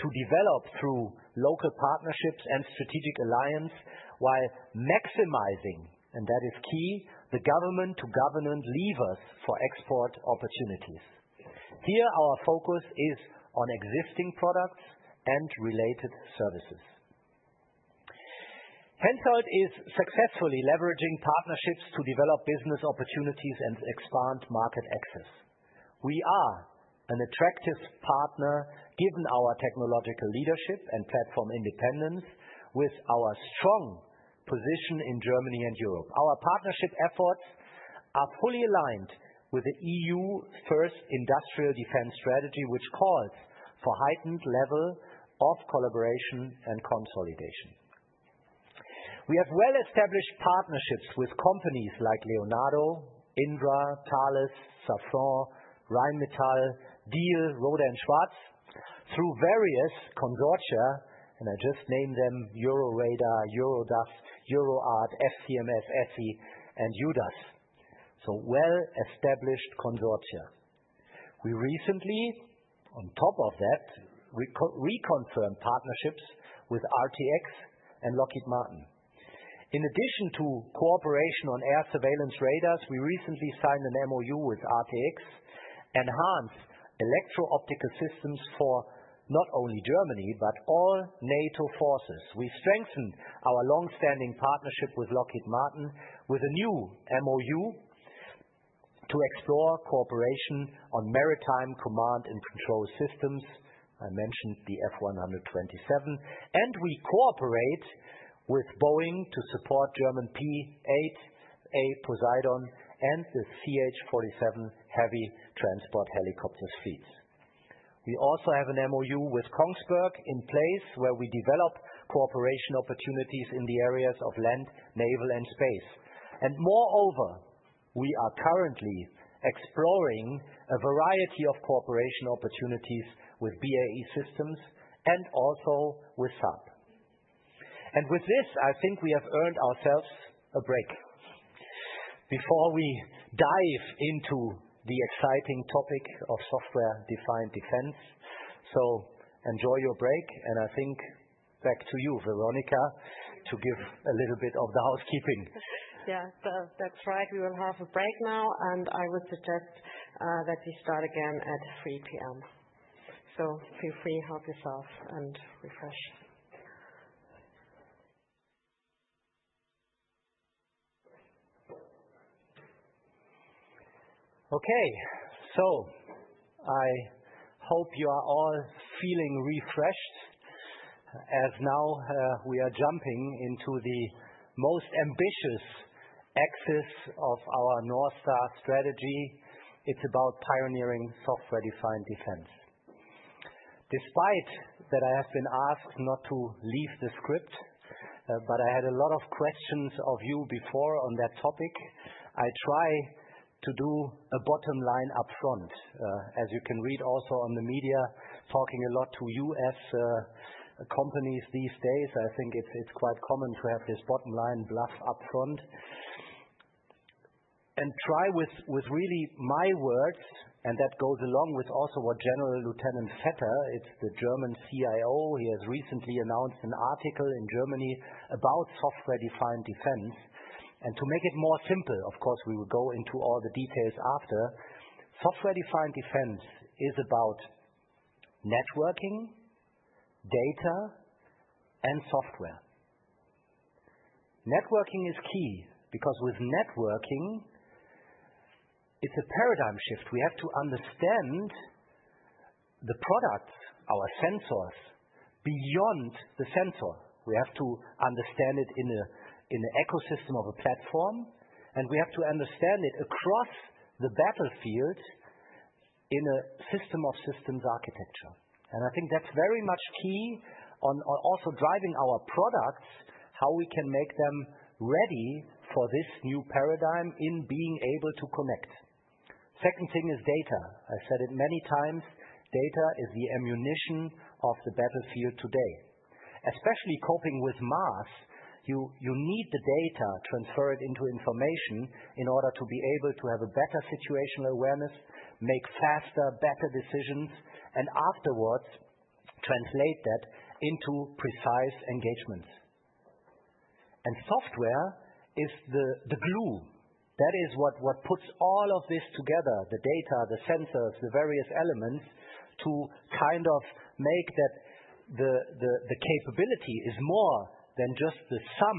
to develop through local partnerships and strategic alliance while maximizing, and that is key, the government-to-government levers for export opportunities. Here, our focus is on existing products and related services. Hensoldt is successfully leveraging partnerships to develop business opportunities and expand market access. We are an attractive partner given our technological leadership and platform independence with our strong position in Germany and Europe. Our partnership efforts are fully aligned with the EU-first industrial defense strategy, which calls for a heightened level of collaboration and consolidation. We have well-established partnerships with companies like Leonardo, Indra, Thales, Safran, Rheinmetall, Diehl, Rohde & Schwarz through various consortia, and I just named them: Euroradar, Eurodrone, EuroArt, FCMS, ESSI, and EuroDASS. Well-established consortia. We recently, on top of that, reconfirmed partnerships with RTX and Lockheed Martin. In addition to cooperation on air surveillance radars, we recently signed an MoU with RTX, enhanced electro-optical systems for not only Germany but all NATO forces. We strengthened our long-standing partnership with Lockheed Martin with a new MoU to explore cooperation on maritime command and control systems. I mentioned the F127, and we cooperate with Boeing to support German P-8A Poseidon and the CH-47 heavy transport helicopters fleets. We also have an MoU with Kongsberg in place, where we develop cooperation opportunities in the areas of land, naval, and space. Moreover, we are currently exploring a variety of cooperation opportunities with BAE Systems and also with SAP. With this, I think we have earned ourselves a break. Before we dive into the exciting topic of Software-Defined Defense, so enjoy your break, and I think back to you, Veronika, to give a little bit of the housekeeping. Yeah, that's right. We will have a break now, and I would suggest that we start again at 3:00 PM. So feel free, help yourself, and refresh. Okay, so I hope you are all feeling refreshed, as now we are jumping into the most ambitious axis of our North Star strategy. It's about pioneering Software-Defined Defense. Despite that, I have been asked not to leave the script, but I had a lot of questions of you before on that topic. I try to do a bottom line upfront, as you can read also on the media, talking a lot to US companies these days. I think it's quite common to have this bottom line upfront and try with really my words, and that goes along with also what Lieutenant General Vetter, it's the German CIO, he has recently announced an article in Germany about Software-Defined Defense. To make it more simple, of course, we will go into all the details after. Software-Defined Defense is about networking, data, and software. Networking is key because with networking, it's a paradigm shift. We have to understand the products, our Sensors, beyond the sensor. We have to understand it in the ecosystem of a platform, and we have to understand it across the battlefield in a system of systems architecture. I think that's very much key on also driving our products, how we can make them ready for this new paradigm in being able to connect. Second thing is data. I said it many times. Data is the ammunition of the battlefield today. Especially coping with mass, you need the data, transfer it into information in order to be able to have a better situational awareness, make faster, better decisions, and afterwards translate that into precise engagements. Software is the glue. That is what puts all of this together, the data, the Sensors, the various elements to kind of make that the capability is more than just the sum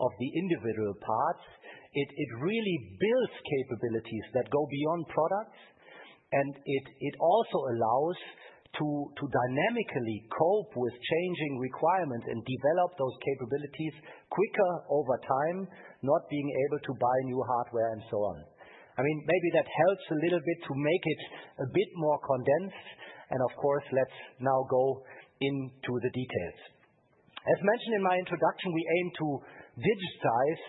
of the individual parts. It really builds capabilities that go beyond products, and it also allows to dynamically cope with changing requirements and develop those capabilities quicker over time, not being able to buy new hardware and so on. Maybe that helps a little bit to make it a bit more condensed, and of course, let's now go into the details. As mentioned in my introduction, we aim to digitize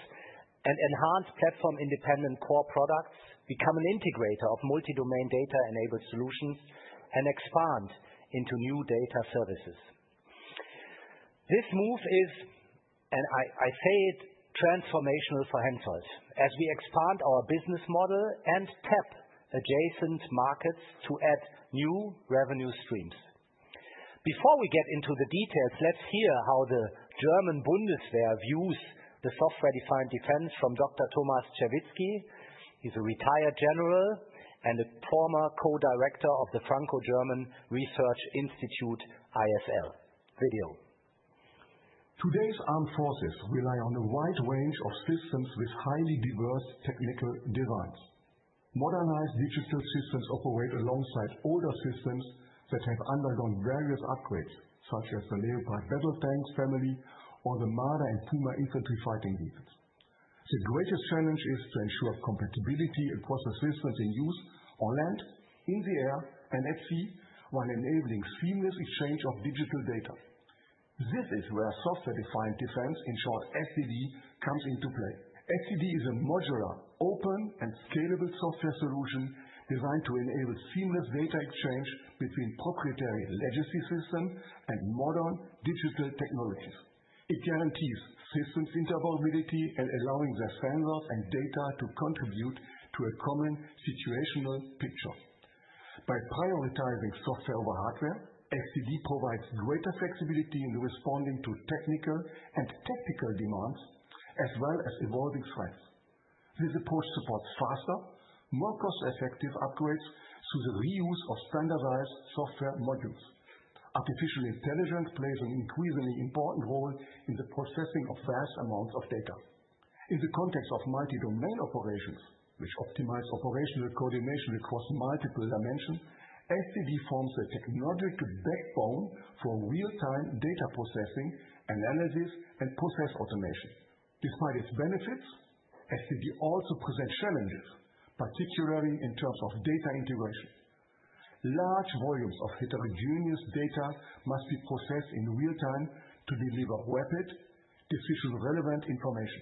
and enhance platform-independent core products, become an integrator of multi-domain data-enabled solutions, and expand into new data services. This move is, and I say it, transformational for Hensoldt, as we expand our business model and tap adjacent markets to add new revenue streams. Before we get into the details, let's hear how the German Bundeswehr views the Software-Defined Defense from Dr. Thomas Czerwinski. He's a retired general and a former co-director of the Franco-German Research Institute, ISL. Today's armed forces rely on a wide range of systems with highly diverse technical designs. Modernized digital systems operate alongside older systems that have undergone various upgrades, such as the Leopard battle tanks family or the Marder and Puma infantry fighting vehicles. The greatest challenge is to ensure compatibility across the systems in use on land, in the air, and at sea while enabling seamless exchange of digital data. This is where Software-Defined Defense, in short SDD, comes into play. SDD is a modular, open, and scalable software solution designed to enable seamless data exchange between proprietary legacy systems and modern digital technologies. It guarantees systems interoperability and allows the Sensors and data to contribute to a common situational picture. By prioritizing software over hardware, SDD provides greater flexibility in responding to technical and tactical demands as well as evolving threats. This approach supports faster, more cost-effective upgrades through the reuse of standardized software modules. Artificial intelligence plays an increasingly important role in the processing of vast amounts of data. In the context of multi-domain operations, which optimize operational coordination across multiple dimensions, SDD forms a technological backbone for real-time data processing, analysis, and process automation. Despite its benefits, SDD also presents challenges, particularly in terms of data integration. Large volumes of heterogeneous data must be processed in real time to deliver rapid, decision-relevant information.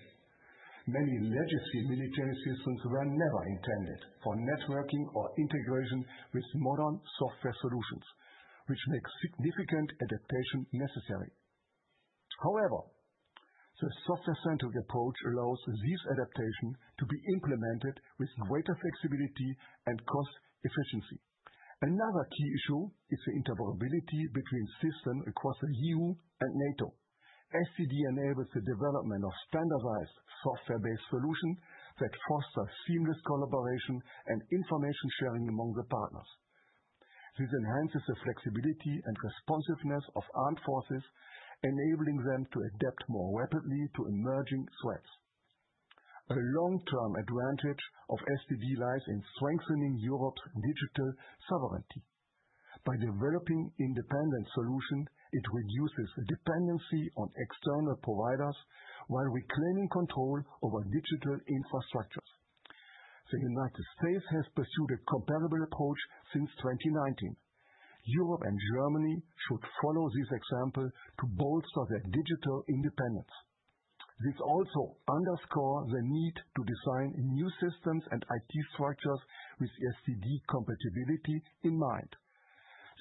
Many legacy military systems were never intended for networking or integration with modern software solutions, which makes significant adaptation necessary. However, the software-centric approach allows this adaptation to be implemented with greater flexibility and cost efficiency. Another key issue is the interoperability between systems across the EU and NATO. SDD enables the development of standardized software-based solutions that foster seamless collaboration and information sharing among the partners. This enhances the flexibility and responsiveness of armed forces, enabling them to adapt more rapidly to emerging threats. A long-term advantage of SDD lies in strengthening Europe's digital sovereignty. By developing independent solutions, it reduces dependency on external providers while reclaiming control over digital infrastructures. The United States has pursued a comparable approach since 2019. Europe and Germany should follow this example to bolster their digital independence. This also underscores the need to design new systems and IT structures with SDD compatibility in mind.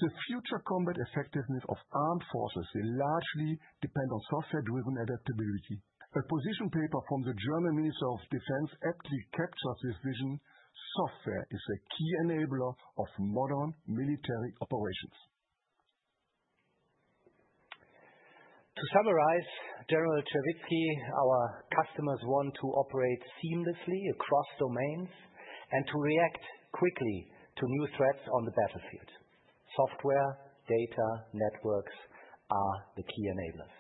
The future combat effectiveness of armed forces will largely depend on software-driven adaptability. A position paper from the German Minister of Defense aptly captures this vision. Software is a key enabler of modern military operations. To summarize, General Czerwinski, our customers want to operate seamlessly across domains and to react quickly to new threats on the battlefield. Software, data, networks are the key enablers.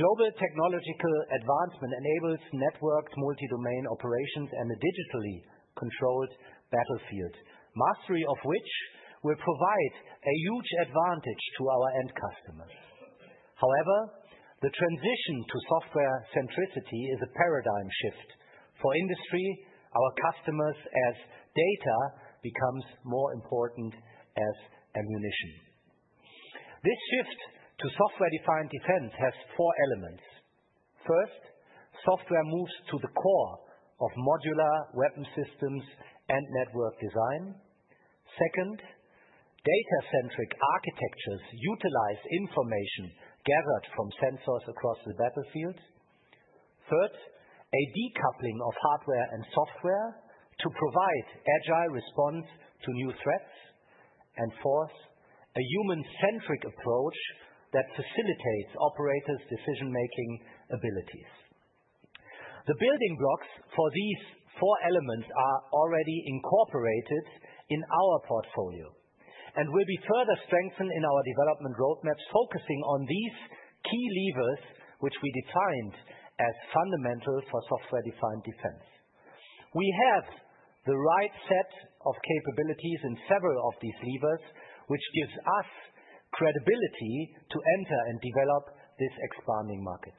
Global technological advancement enables networked multi-domain operations and a digitally controlled battlefield, mastery of which will provide a huge advantage to our end customers. However, the transition to software-centricity is a paradigm shift for industry. Our customers as data becomes more important as ammunition. This shift to Software-Defined Defense has four elements. First, software moves to the core of modular weapon systems and network design. Second, data-centric architectures utilize information gathered from Sensors across the battlefield. Third, a decoupling of hardware and software to provide agile response to new threats. Fourth, a human-centric approach that facilitates operators' decision-making abilities. The building blocks for these four elements are already incorporated in our portfolio and will be further strengthened in our development roadmaps, focusing on these key levers, which we defined as fundamental forSoftware-Defined Defense. We have the right set of capabilities in several of these levers, which gives us credibility to enter and develop this expanding market.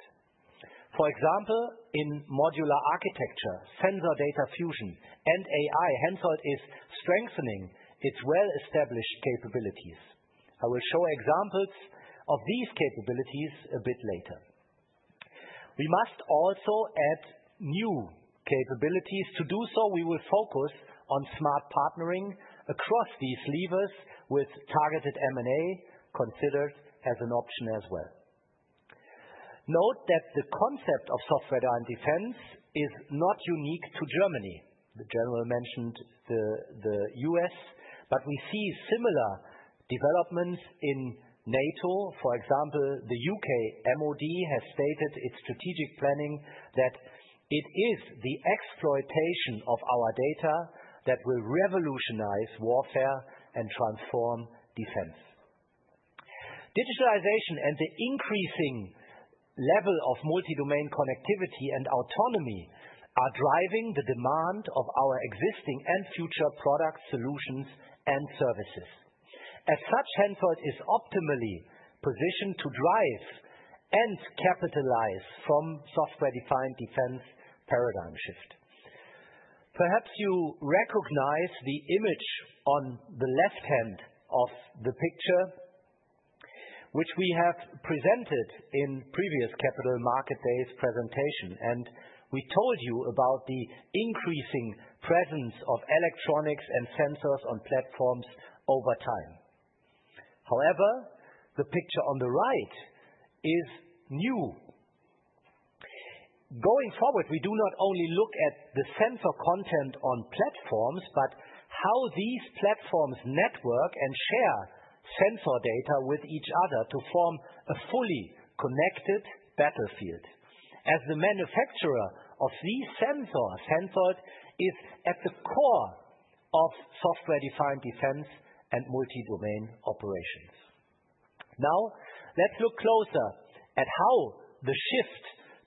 For example, in modular architecture, sensor data fusion, and AI, Hensoldt is strengthening its well-established capabilities. I will show examples of these capabilities a bit later. We must also add new capabilities. To do so, we will focus on smart partnering across these levers with targeted M&A considered as an option as well. Note that the concept of Software-Defined Defense is not unique to Germany. The General mentioned the U.S., but we see similar developments in NATO. For example, the UK MoD has stated its strategic planning that it is the exploitation of our data that will revolutionize warfare and transform defense. Digitalization and the increasing level of multi-domain connectivity and autonomy are driving the demand of our existing and future product solutions and services. As such, Hensoldt is optimally positioned to drive and capitalize from Software-Defined Defense paradigm shift. Perhaps you recognize the image on the left hand of the picture, which we have presented in previous Capital Market Days presentation, and we told you about the increasing presence of electronics and Sensors on platforms over time. However, the picture on the right is new. Going forward, we do not only look at the sensor content on platforms, but how these platforms network and share sensor data with each other to form a fully connected battlefield. As the manufacturer of these Sensors, Hensoldt is at the core ofSoftware-Defined Defense and multi-domain operations. Now, let's look closer at how the shift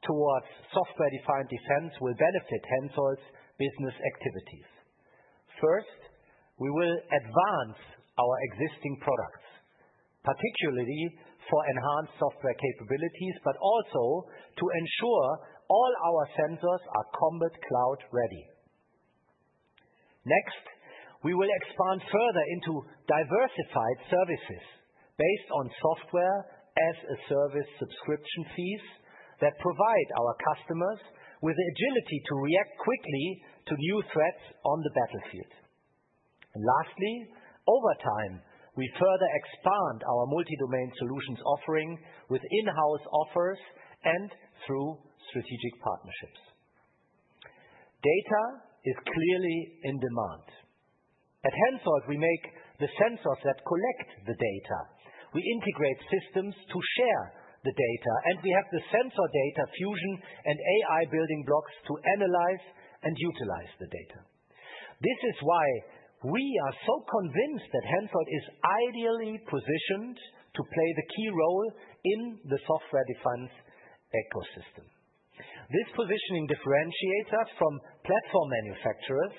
towards Software-Defined Defense will benefit Hensoldt's business activities. First, we will advance our existing products, particularly for enhanced software capabilities, but also to ensure all our Sensors are Combat Cloud ready. Next, we will expand further into diversified services based on software-as-a-service subscription fees that provide our customers with the agility to react quickly to new threats on the battlefield. Lastly, over time, we further expand our multi-domain solutions offering with in-house offers and through strategic partnerships. Data is clearly in demand. At Hensoldt, we make the Sensors that collect the data. We integrate systems to share the data, and we have the sensor data fusion and AI building blocks to analyze and utilize the data. This is why we are so convinced that Hensoldt is ideally positioned to play the key role in the software-defined ecosystem. This positioning differentiates us from platform manufacturers,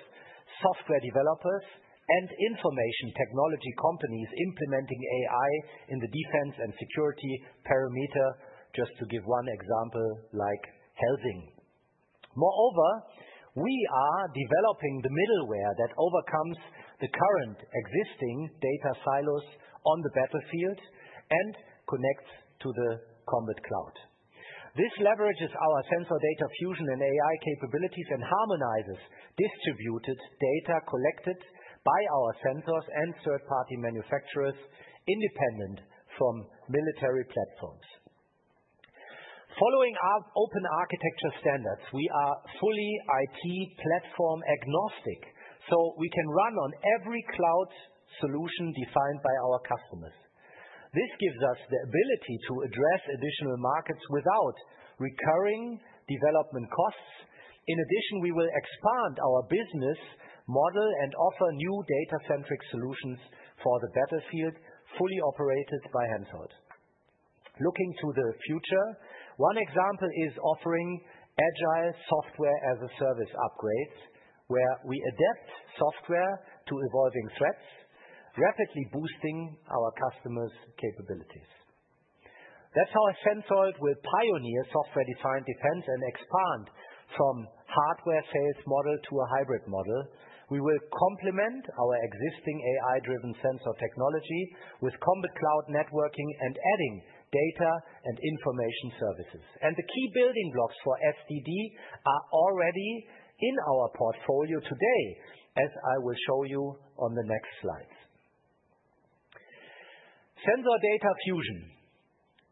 software developers, and information technology companies implementing AI in the defense and security perimeter, just to give one example like Helsing. Moreover, we are developing the middleware that overcomes the current existing data silos on the battlefield and connects to the Combat Cloud. This leverages our sensor data fusion and AI capabilities and harmonizes distributed data collected by our Sensors and third-party manufacturers independent from military platforms. Following our open architecture standards, we are fully IT platform agnostic, so we can run on every cloud solution defined by our customers. This gives us the ability to address additional markets without recurring development costs. In addition, we will expand our business model and offer new data-centric solutions for the battlefield, fully operated by Hensoldt. Looking to the future, one example is offering agile software-as-a-service upgrades, where we adapt software to evolving threats, rapidly boosting our customers' capabilities. That's how Hensoldt will pioneer Software-Defined Defense and expand from hardware sales model to a hybrid model. We will complement our existing AI-driven sensor technology with Combat Cloud networking and adding data and information services. The key building blocks for SDD are already in our portfolio today, as I will show you on the next slides. Sensor data fusion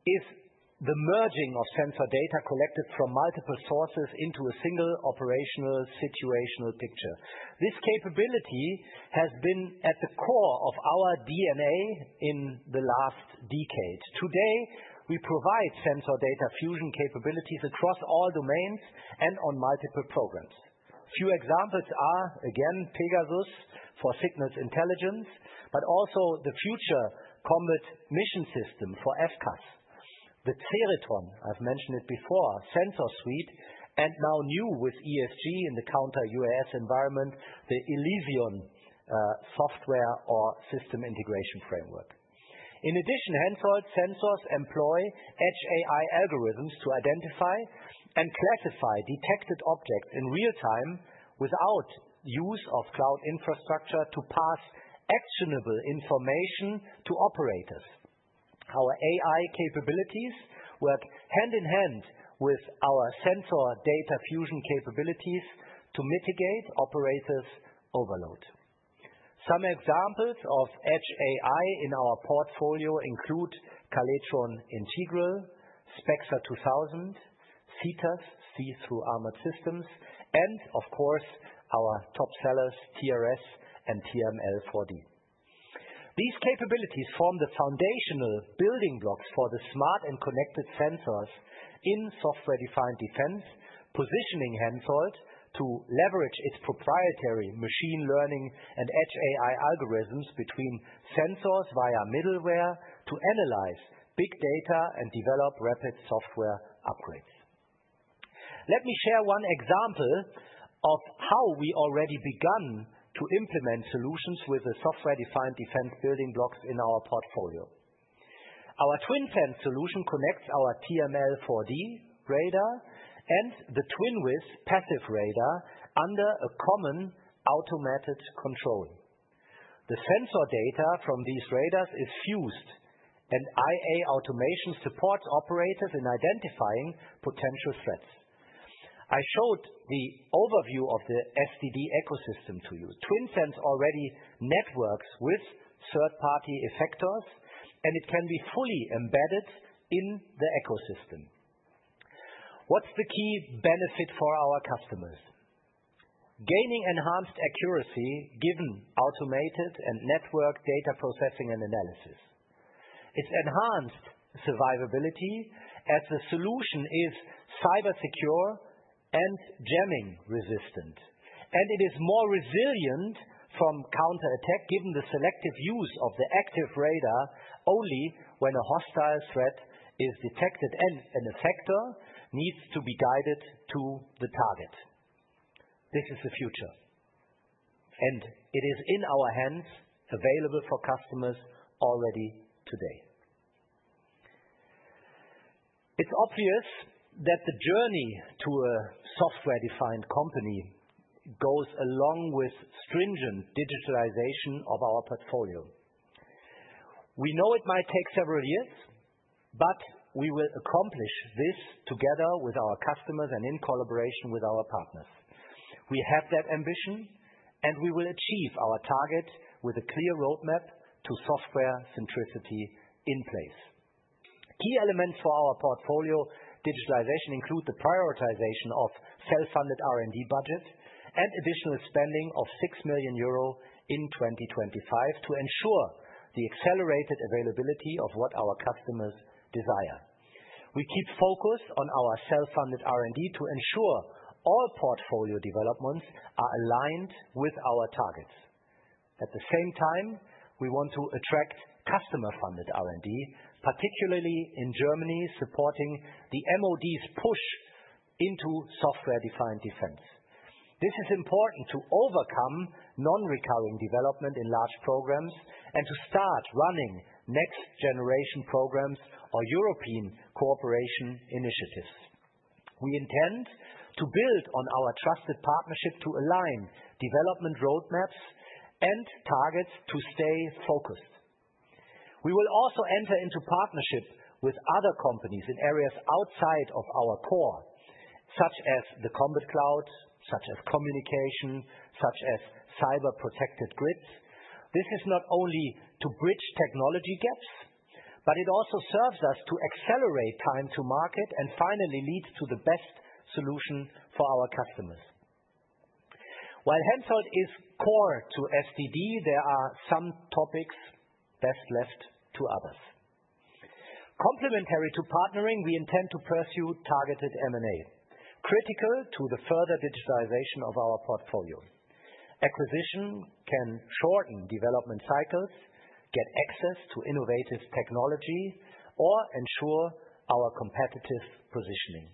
is the merging of sensor data collected from multiple sources into a single operational situational picture. This capability has been at the core of our DNA in the last decade. Today, we provide sensor data fusion capabilities across all domains and on multiple programs. Few examples are, again, Pegasus for signals intelligence, but also the Future Combat Mission System for FCAS. The Kalaetron, I've mentioned it before, sensor suite, and now new with ESG in the counter-UAS environment, the Elysion software or system integration framework. In addition, Hensoldt Sensors employ edge AI algorithms to identify and classify detected objects in real time without use of cloud infrastructure to pass actionable information to operators. Our AI capabilities work hand in hand with our sensor data fusion capabilities to mitigate operators' overload. Some examples of edge AI in our portfolio includes Kalaetron Integral, Spexer 2000, SETAS, see-through armored systems, and of course, our top sellers, TRS and TRML-4D. These capabilities form the foundational building blocks for the smart and connected Sensors in Software-Defined Defense, positioning Hensoldt to leverage its proprietary machine learning and edge AI algorithms between Sensors via middleware to analyze big data and develop rapid software upgrades. Let me share one example of how we already began to implement solutions with the Software-Defined Defense building blocks in our portfolio. Our TwinSens solution connects our TRML-4D radar and the Twinvis passive radar under a common automated control. The sensor data from these radars is fused, and AI automation supports operators in identifying potential threats. I showed the overview of the SDD ecosystem to you. TwinSens already networks with third-party effectors, and it can be fully embedded in the ecosystem. What's the key benefit for our customers? Gaining enhanced accuracy given automated and network data processing and analysis. It's enhanced survivability as the solution is cybersecure and jamming resistant, and it is more resilient from counterattack given the selective use of the active radar only when a hostile threat is detected and an effector needs to be guided to the target. This is the future, and it is in our hands, available for customers already today. It's obvious that the journey to a software-defined company goes along with stringent digitalization of our portfolio. We know it might take several years, but we will accomplish this together with our customers and in collaboration with our partners. We have that ambition, and we will achieve our target with a clear roadmap to software-centricity in place. Key elements for our portfolio digitalization include the prioritization of self-funded R&D budget and additional spending of 6 million euro in 2025 to ensure the accelerated availability of what our customers desire. We keep focus on our self-funded R&D to ensure all portfolio developments are aligned with our targets. At the same time, we want to attract customer-funded R&D, particularly in Germany supporting the MoD's push into Software-Defined Defense. This is important to overcome non-recurring development in large programs and to start running next-generation programs or European cooperation initiatives. We intend to build on our trusted partnership to align development roadmaps and targets to stay focused. We will also enter into partnership with other companies in areas outside of our core, such as the Combat Cloud, such as communication, such as cyber-protected grids. This is not only to bridge technology gaps, but it also serves us to accelerate time to market and finally lead to the best solution for our customers. While Hensoldt is core to SDD, there are some topics best left to others. Complementary to partnering, we intend to pursue targeted M&A, critical to the further digitalization of our portfolio. Acquisition can shorten development cycles, get access to innovative technology, or ensure our competitive positioning.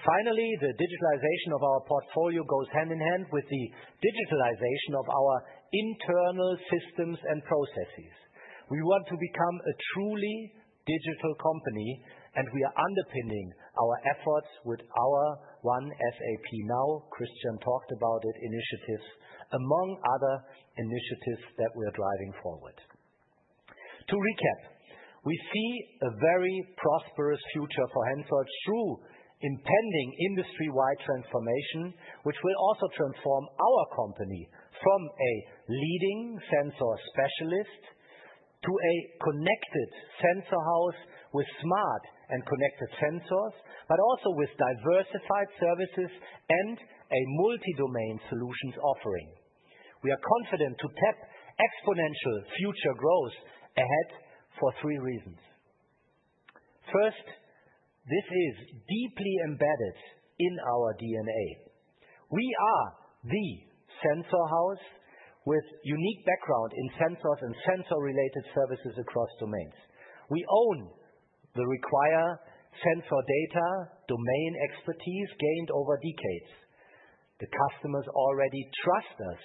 Finally, the digitalization of our portfolio goes hand in hand with the digitalization of our internal systems and processes. We want to become a truly digital company, and we are underpinning our efforts with our One SAP Now, Christian talked about it, initiatives, among other initiatives that we are driving forward. To recap, we see a very prosperous future for Hensoldt through impending industry-wide transformation, which will also transform our company from a leading sensor specialist to a connected sensor house with smart and connected Sensors, but also with diversified services and a multi-domain solutions offering. We are confident to tap exponential future growth ahead for three reasons. First, this is deeply embedded in our DNA. We are the sensor house with unique background in Sensors and sensor-related services across domains. We own the required sensor data, domain expertise gained over decades. The customers already trust us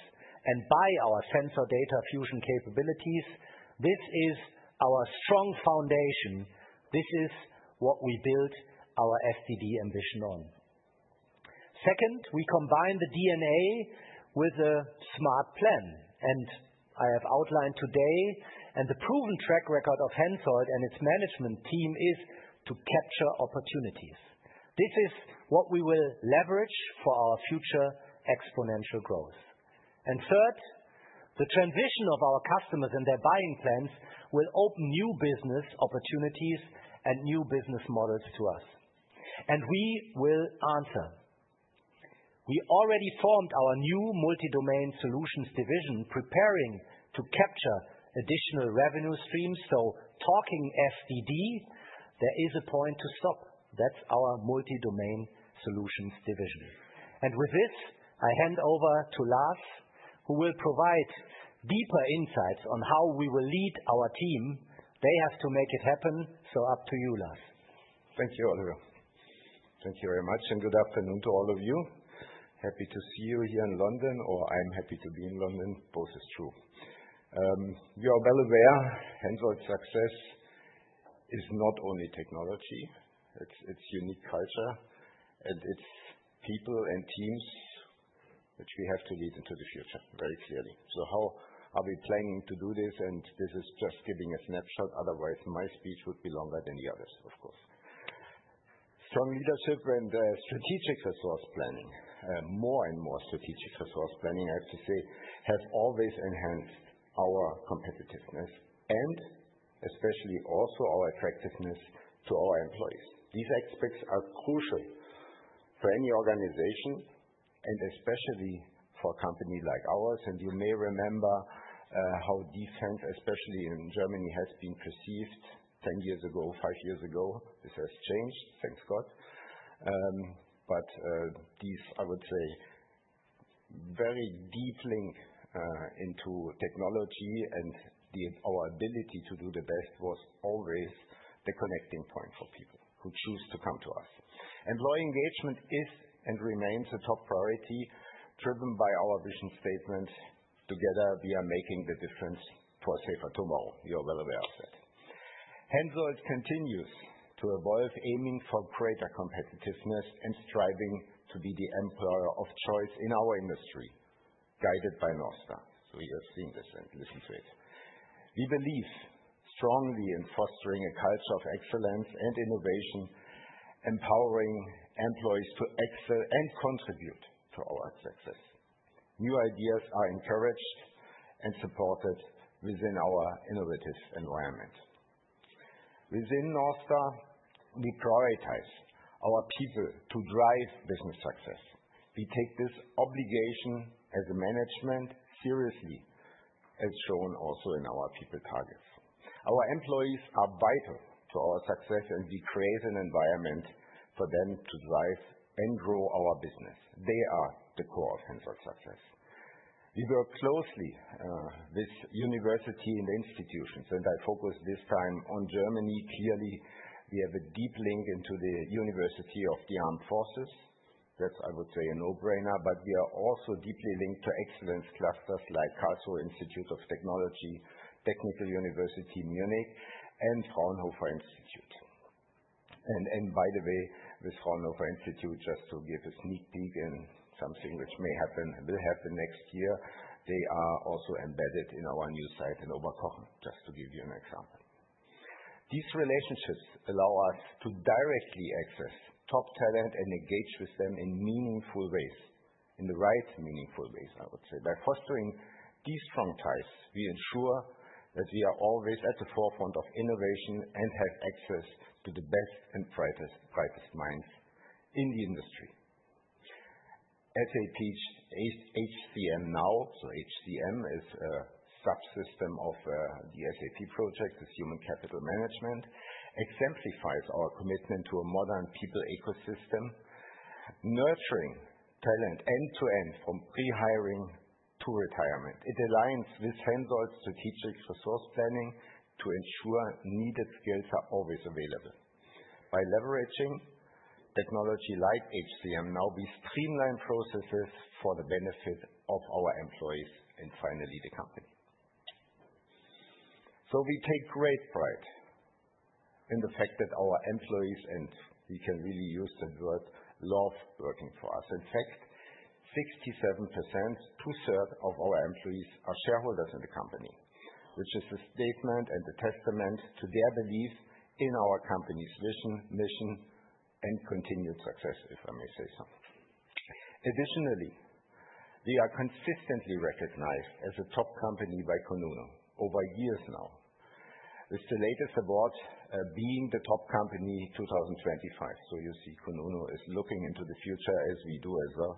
and buy our sensor data fusion capabilities. This is our strong foundation. This is what we build our SDD ambition on. Second, we combine the DNA with a smart plan, and I have outlined today, and the proven track record of Hensoldt and its management team is to capture opportunities. This is what we will leverage for our future exponential growth. Third, the transition of our customers and their buying plans will open new business opportunities and new business models to us. We will answer. We already formed our new Multi-Domain Solutions division, preparing to capture additional revenue streams. Talking SDD, there is a point to stop. That's our Multi-Domain Solutions division. With this, I hand over to Lars, who will provide deeper insights on how we will lead our team. They have to make it happen, so up to you, Lars. Thank you, Oliver. Thank you very much, and good afternoon to all of you. Happy to see you here in London, or I'm happy to be in London. Both is true. You are well aware, Hensoldt's success is not only technology, it's unique culture, and it's people and teams which we have to lead into the future very clearly. How are we planning to do this? This is just giving a snapshot. Otherwise, my speech would be longer than the others, of course. Strong leadership and strategic resource planning, more and more strategic resource planning, I have to say, has always enhanced our competitiveness and especially also our attractiveness to our employees. These aspects are crucial for any organization, and especially for a company like ours. You may remember how defense, especially in Germany, has been perceived 10 years ago, 5 years ago. This has changed, thank God. These, I would say, very deep link into technology and our ability to do the best was always the connecting point for people who choose to come to us. Employee engagement is and remains a top priority driven by our vision statement. Together, we are making the difference for a safer tomorrow. You are well aware of that. Hensoldt continues to evolve, aiming for greater competitiveness and striving to be the employer of choice in our industry, guided by North Star. You have seen this and listened to it. We believe strongly in fostering a culture of excellence and innovation, empowering employees to excel and contribute to our success. New ideas are encouraged and supported within our innovative environment. Within Hensoldt, we prioritize our people to drive business success. We take this obligation as management seriously, as shown also in our people targets. Our employees are vital to our success, and we create an environment for them to thrive and grow our business. They are the core of Hensoldt's success. We work closely with universities and institutions, and I focus this time on Germany. Clearly, we have a deep link into the University of the Armed Forces. That's, I would say, a no-brainer, but we are also deeply linked to excellence clusters like Karlsruhe Institute of Technology, Technical University Munich, and Fraunhofer Institute. By the way, with Fraunhofer Institute, just to give a sneak peek and something which may happen, will happen next year, they are also embedded in our new site in Oberkochen, just to give you an example. These relationships allow us to directly access top talent and engage with them in meaningful ways, in the right meaningful ways, I would say. By fostering these strong ties, we ensure that we are always at the forefront of innovation and have access to the best and brightest minds in the industry. SAP HCM Now, so HCM is a subsystem of the SAP project, is human capital management, exemplifies our commitment to a modern people ecosystem, nurturing talent end-to-end from pre-hiring to retirement. It aligns with Hensoldt's strategic resource planning to ensure needed skills are always available. By leveraging technology like HCM Now, we streamline processes for the benefit of our employees and finally the company. We take great pride in the fact that our employees, and we can really use the word love, working for us. In fact, 67%, two-thirds of our employees are shareholders in the company, which is a statement and a testament to their belief in our company's vision, mission, and continued success, if I may say so. Additionally, we are consistently recognized as a top company by Kununu over years now, with the latest award being the Top Company 2025. You see, Kununu is looking into the future as we do as well.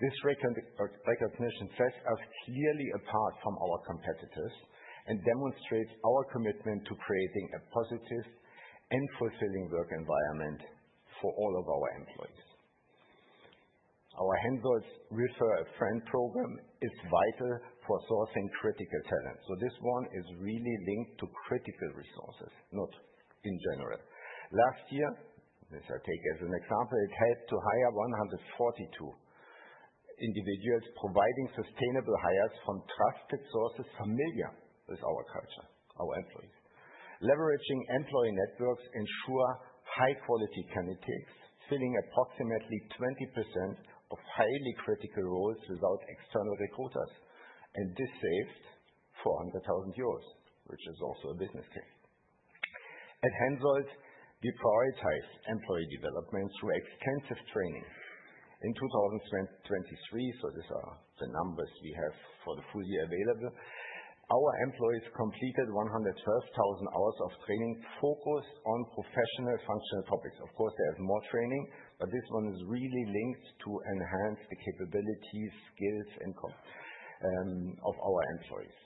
This recognition sets us clearly apart from our competitors and demonstrates our commitment to creating a positive and fulfilling work environment for all of our employees. Our Hensoldt's Refer-A-Friend program is vital for sourcing critical talent. This one is really linked to critical resources, not in general. Last year, as I take as an example, it helped to hire 142 individuals, providing sustainable hires from trusted sources familiar with our culture, our employees. Leveraging employee networks ensures high-quality candidates, filling approximately 20% of highly critical roles without external recruiters. This saved 400,000 euros, which is also a business case. At Hensoldt, we prioritize employee development through extensive training. In 2023, these are the numbers we have for the full year available, our employees completed 112,000 hours of training focused on professional functional topics. Of course, they have more training, but this one is really linked to enhance the capabilities, skills, and core of our employees.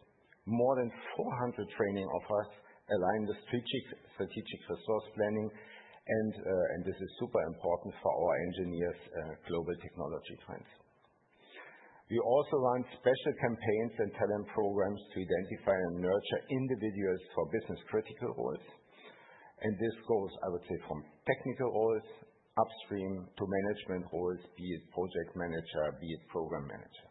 More than 400 training offers align the strategic resource planning, and this is super important for our engineers' global technology trends. We also run special campaigns and talent programs to identify and nurture individuals for business-critical roles. This goes, I would say, from technical roles upstream to management roles, be it project manager, be it program manager.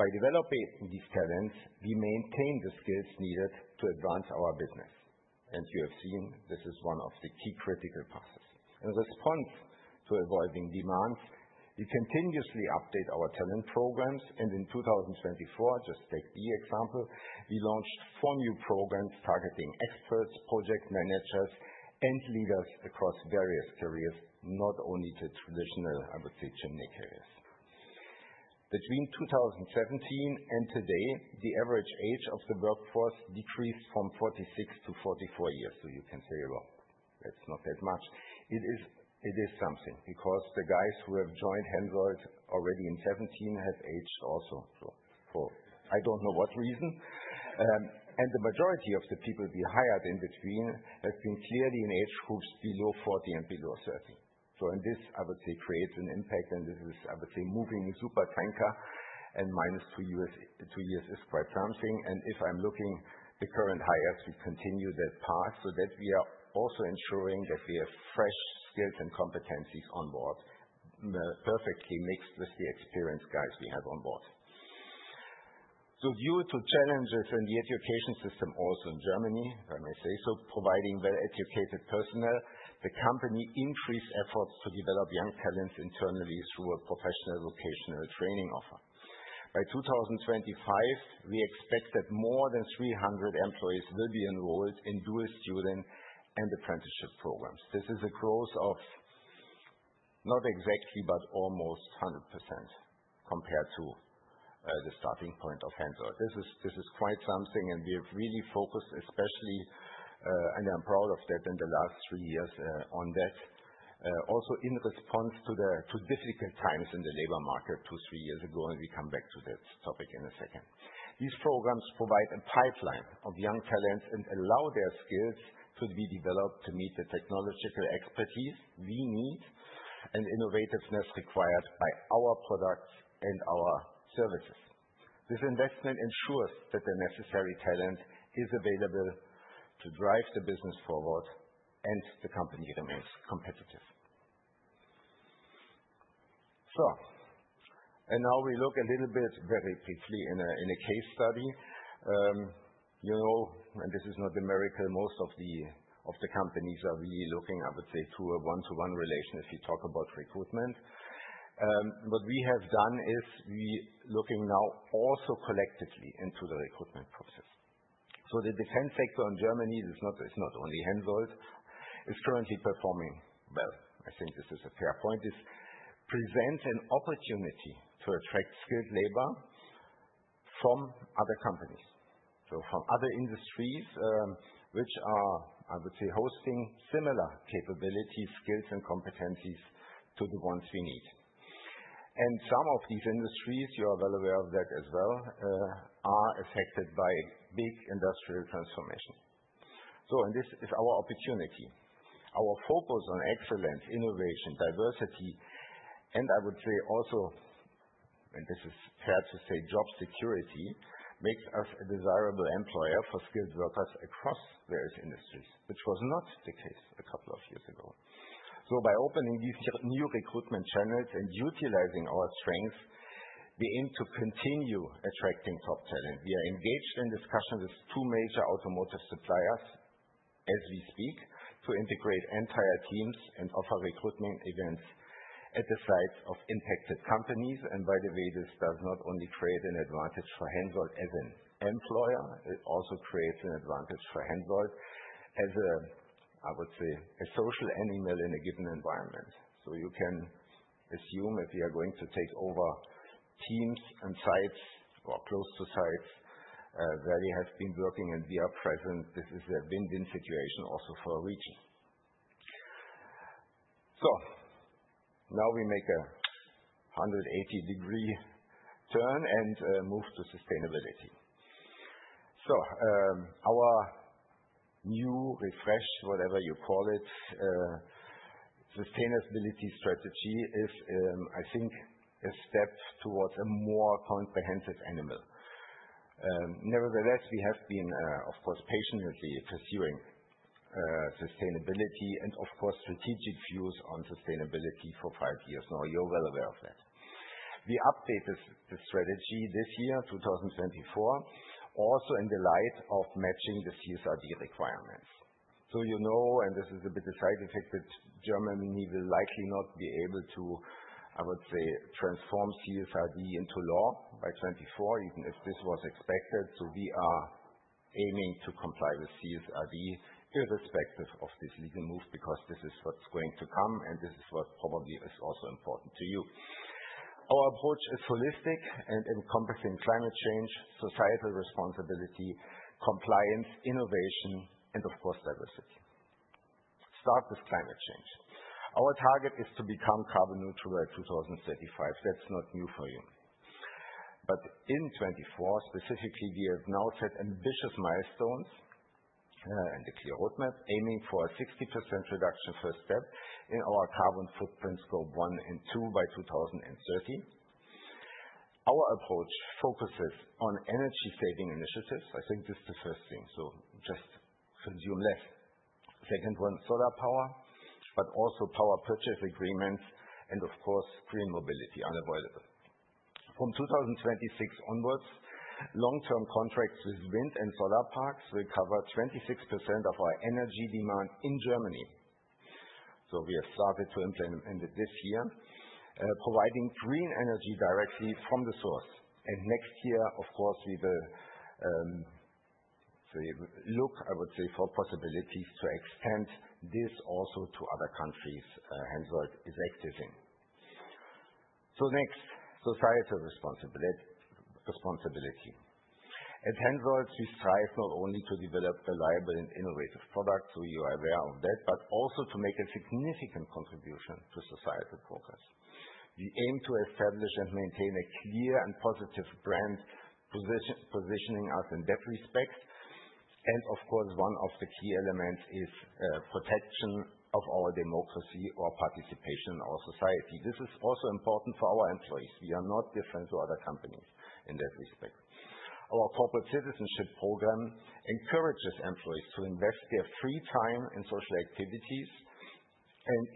By developing these talents, we maintain the skills needed to advance our business. You have seen, this is one of the key critical paths. In response to evolving demands, we continuously update our talent programs. In 2024, just take the example, we launched four new programs targeting experts, project managers, and leaders across various careers, not only to traditional, I would say, gymnasium areas. Between 2017 and today, the average age of the workforce decreased from 46 to 44 years. You can say, well, that's not that much. It is something because the guys who have joined Hensoldt already in '17 have aged also. The majority of the people we hired in between have been clearly in age groups below 40 and below 30. This, I would say, creates an impact. This is, I would say, moving a super tanker, and minus two years is quite something. If I'm looking at the current hires, we continue that path so that we are also ensuring that we have fresh skills and competencies on board, perfectly mixed with the experienced guys we have on board. Due to challenges in the education system, also in Germany, if I may say so, providing well-educated personnel, the company increased efforts to develop young talents internally through a professional vocational training offer. By 2025, we expect that more than 300 employees will be enrolled in dual student and apprenticeship programs. This is a growth of not exactly, but almost 100% compared to the starting point of Hensoldt. This is quite something, and we have really focused, especially, and I'm proud of that in the last three years on that, also in response to difficult times in the labor market two, three years ago, and we come back to that topic in a second. These programs provide a pipeline of young talents and allow their skills to be developed to meet the technological expertise we need and innovativeness required by our products and our services. This investment ensures that the necessary talent is available to drive the business forward and the company remains competitive. Now we look a little bit very briefly in a case study. You know, this is not a miracle. Most of the companies are really looking, I would say, to a one-to-one relation if you talk about recruitment. What we have done is we are looking now also collectively into the recruitment process. The defense sector in Germany, it's not only Hensoldt, is currently performing well. I think this is a fair point. It presents an opportunity to attract skilled labor from other companies, from other industries, which are hosting similar capabilities, skills, and competencies to the ones we need. Some of these industries, you are well aware of that as well, are affected by a big industrial transformation. This is our opportunity. Our focus on excellence, innovation, diversity, and I would say also, and this is fair to say, job security makes us a desirable employer for skilled workers across various industries, which was not the case a couple of years ago. By opening these new recruitment channels and utilizing our strengths, we aim to continue attracting top talent. We are engaged in discussions with two major automotive suppliers as we speak to integrate entire teams and offer recruitment events at the sites of impacted companies. By the way, this does not only create an advantage for Hensoldt as an employer, it also creates an advantage for Hensoldt as a social animal in a given environment. You can assume if we are going to take over teams and sites or close to sites where we have been working and we are present, this is a win-win situation also for a region. Now we make a 180-degree turn and move to sustainability. Our new refresh, whatever you call it, sustainability strategy is, I think, a step towards a more comprehensive animal. Nevertheless, we have been, of course, patiently pursuing sustainability and, of course, strategic views on sustainability for five years now. You're well aware of that. We updated the strategy this year, 2024, also in the light of matching the CSRD requirements. You know, and this is a bit of a side effect, that Germany will likely not be able to, I would say, transform CSRD into law by 2024, even if this was expected. We are aiming to comply with CSRD irrespective of this legal move because this is what's going to come, and this is what probably is also important to you. Our approach is holistic and encompassing climate change, societal responsibility, compliance, innovation, and, of course, diversity. Starting with climate change, our target is to become carbon neutral by 2035. That's not new for you. But in 2024, specifically, we have now set ambitious milestones and a clear roadmap aiming for a 60% reduction first step in our carbon footprint scope one and two by 2030. Our approach focuses on energy-saving initiatives. I think this is the first thing, just consume less. Second one, solar power, but also power purchase agreements and, of course, green mobility, unavoidable. From 2026 onwards, long-term contracts with wind and solar parks will cover 26% of our energy demand in Germany. We have started to implement this year, providing green energy directly from the source. Next year, of course, we will look for possibilities to extend this also to other countries Hensoldt is active in. Next, societal responsibility. At Hensoldt, we strive not only to develop reliable and innovative products, you are aware of that, but also to make a significant contribution to societal progress. We aim to establish and maintain a clear and positive brand positioning us in that respect. Of course, one of the key elements is protection of our democracy or participation in our society. This is also important for our employees. We are not different to other companies in that respect. Our corporate citizenship program encourages employees to invest their free time in social activities.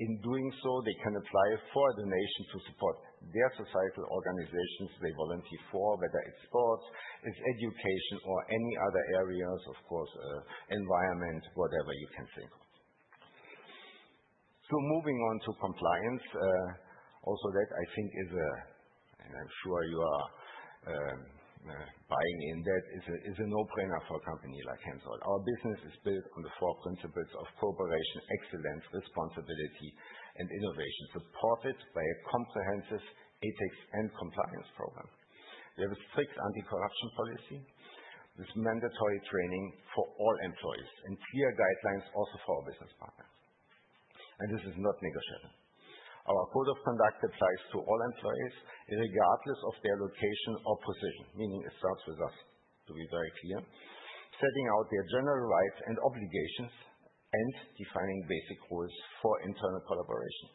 In doing so, they can apply for a donation to support their societal organizations they volunteer for, whether it's sports, education, or any other areas, of course, environment, whatever you can think of. Moving on to compliance, also that I think is a no-brainer for a company like Hensoldt. Our business is built on the four principles of cooperation, excellence, responsibility, and innovation, supported by a comprehensive ethics and compliance program. We have a strict anti-corruption policy with mandatory training for all employees and clear guidelines also for our business partners. This is not negotiated. Our code of conduct applies to all employees, regardless of their location or position, meaning it starts with us, to be very clear, setting out their general rights and obligations and defining basic rules for internal collaboration.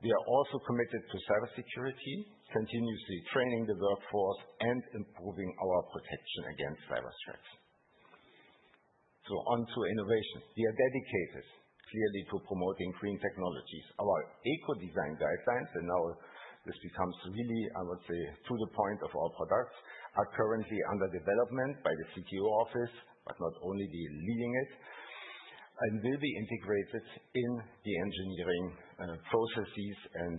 We are also committed to cybersecurity, continuously training the workforce and improving our protection against cyber threats. On to innovation. We are dedicated clearly to promoting green technologies. Our eco-design guidelines, and now this becomes really, I would say, to the point of our products, are currently under development by the CTO office, but not only leading it, and will be integrated in the engineering processes and,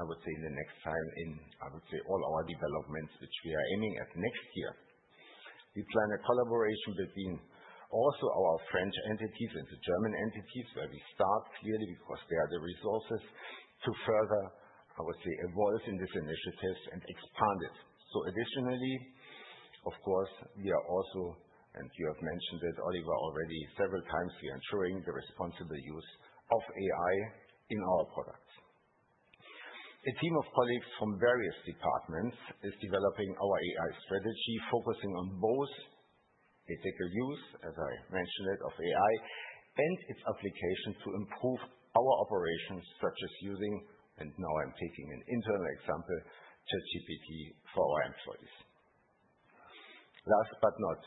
I would say, in the next time in, I would say, all our developments, which we are aiming at next year. We plan a collaboration between also our French entities and the German entities, where we start clearly because they are the resources to further, I would say, evolve in this initiative and expand it. Additionally, of course, we are also, and you have mentioned it, Oliver, already several times, we are ensuring the responsible use of AI in our products. A team of colleagues from various departments is developing our AI strategy, focusing on both ethical use, as I mentioned, of AI and its application to improve our operations, such as using, and now I'm taking an internal example, ChatGPT for our employees. Last but not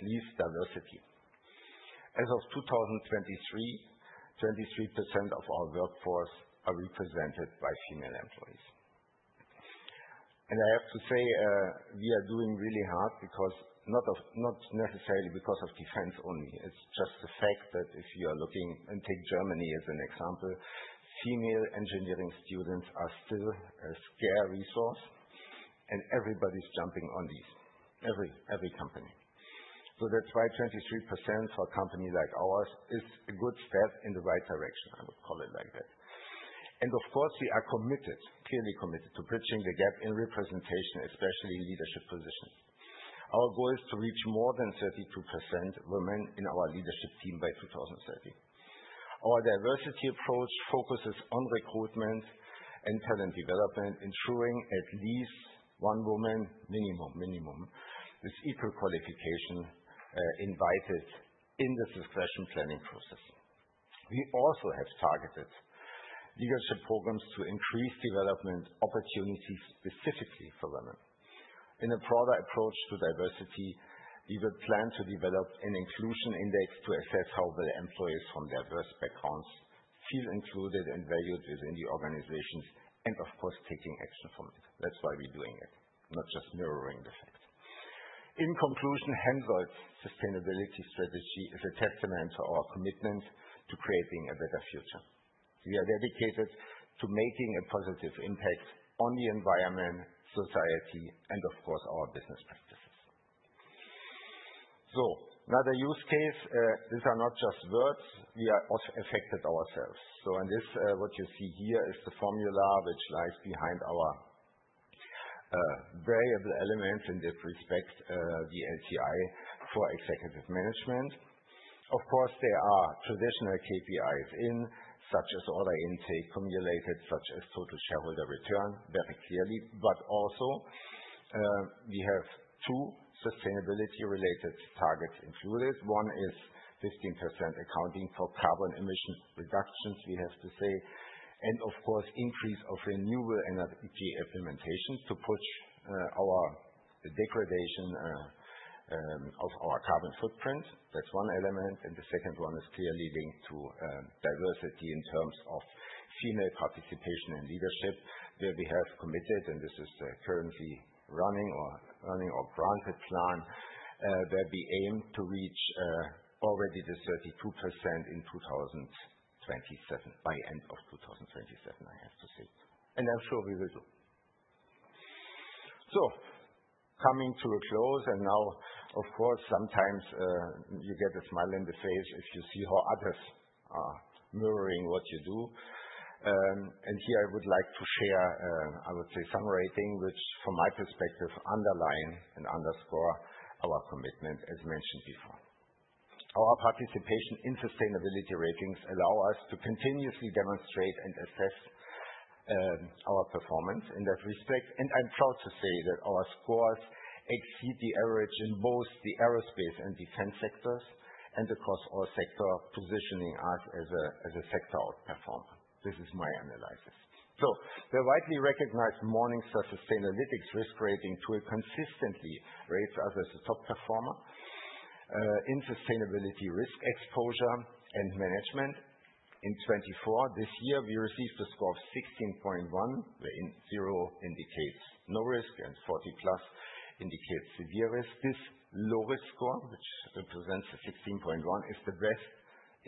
least, diversity. As of 2023, 23% of our workforce are represented by female employees. I have to say, we are doing really hard because not necessarily because of defense only. It's just the fact that if you are looking, and take Germany as an example, female engineering students are still a scarce resource, and everybody's jumping on these, every company. So that's why 23% for a company like ours is a good step in the right direction, I would call it like that. Of course, we are committed, clearly committed to bridging the gap in representation, especially in leadership positions. Our goal is to reach more than 32% women in our leadership team by 2030. Our diversity approach focuses on recruitment and talent development, ensuring at least one woman with equal qualification invited in the succession planning process. We also have targeted leadership programs to increase development opportunities specifically for women. In a broader approach to diversity, we will plan to develop an inclusion index to assess how well employees from diverse backgrounds feel included and valued within the organizations and, of course, taking action from it. That's why we're doing it, not just mirroring the fact. In conclusion, Hensoldt's sustainability strategy is a testament to our commitment to creating a better future. We are dedicated to making a positive impact on the environment, society, and, of course, our business practices. Another use case, these are not just words, we are affected ourselves. In this, what you see here is the formula which lies behind our variable elements in this respect, the LTI for executive management. Of course, there are traditional KPIs in, such as order intake cumulated, such as total shareholder return, very clearly, but also we have two sustainability-related targets included. One is 15% accounting for carbon emission reductions, we have to say, and, of course, increase of renewable energy implementation to push our degradation of our carbon footprint. That's one element, and the second one is clearly linked to diversity in terms of female participation and leadership, where we have committed, and this is the currently running or granted plan, where we aim to reach already the 32% in 2027, by end of 2027, I have to say. I'm sure we will do. Coming to a close, and now, of course, sometimes you get a smile on the face if you see how others are mirroring what you do. Here I would like to share, I would say, some rating, which from my perspective underline and underscore our commitment, as mentioned before. Our participation in sustainability ratings allow us to continuously demonstrate and assess our performance in that respect. I'm proud to say that our scores exceed the average in both the aerospace and defense sectors, and of course, our sector positioning us as a sector outperformer. This is my analysis. The widely recognized Morningstar Sustainalytics risk rating tool consistently rates us as a top performer in sustainability risk exposure and management. In '24, this year, we received a score of 16.1, wherein zero indicates no risk and 40 plus indicates severe risk. This low risk score, which represents 16.1, is the best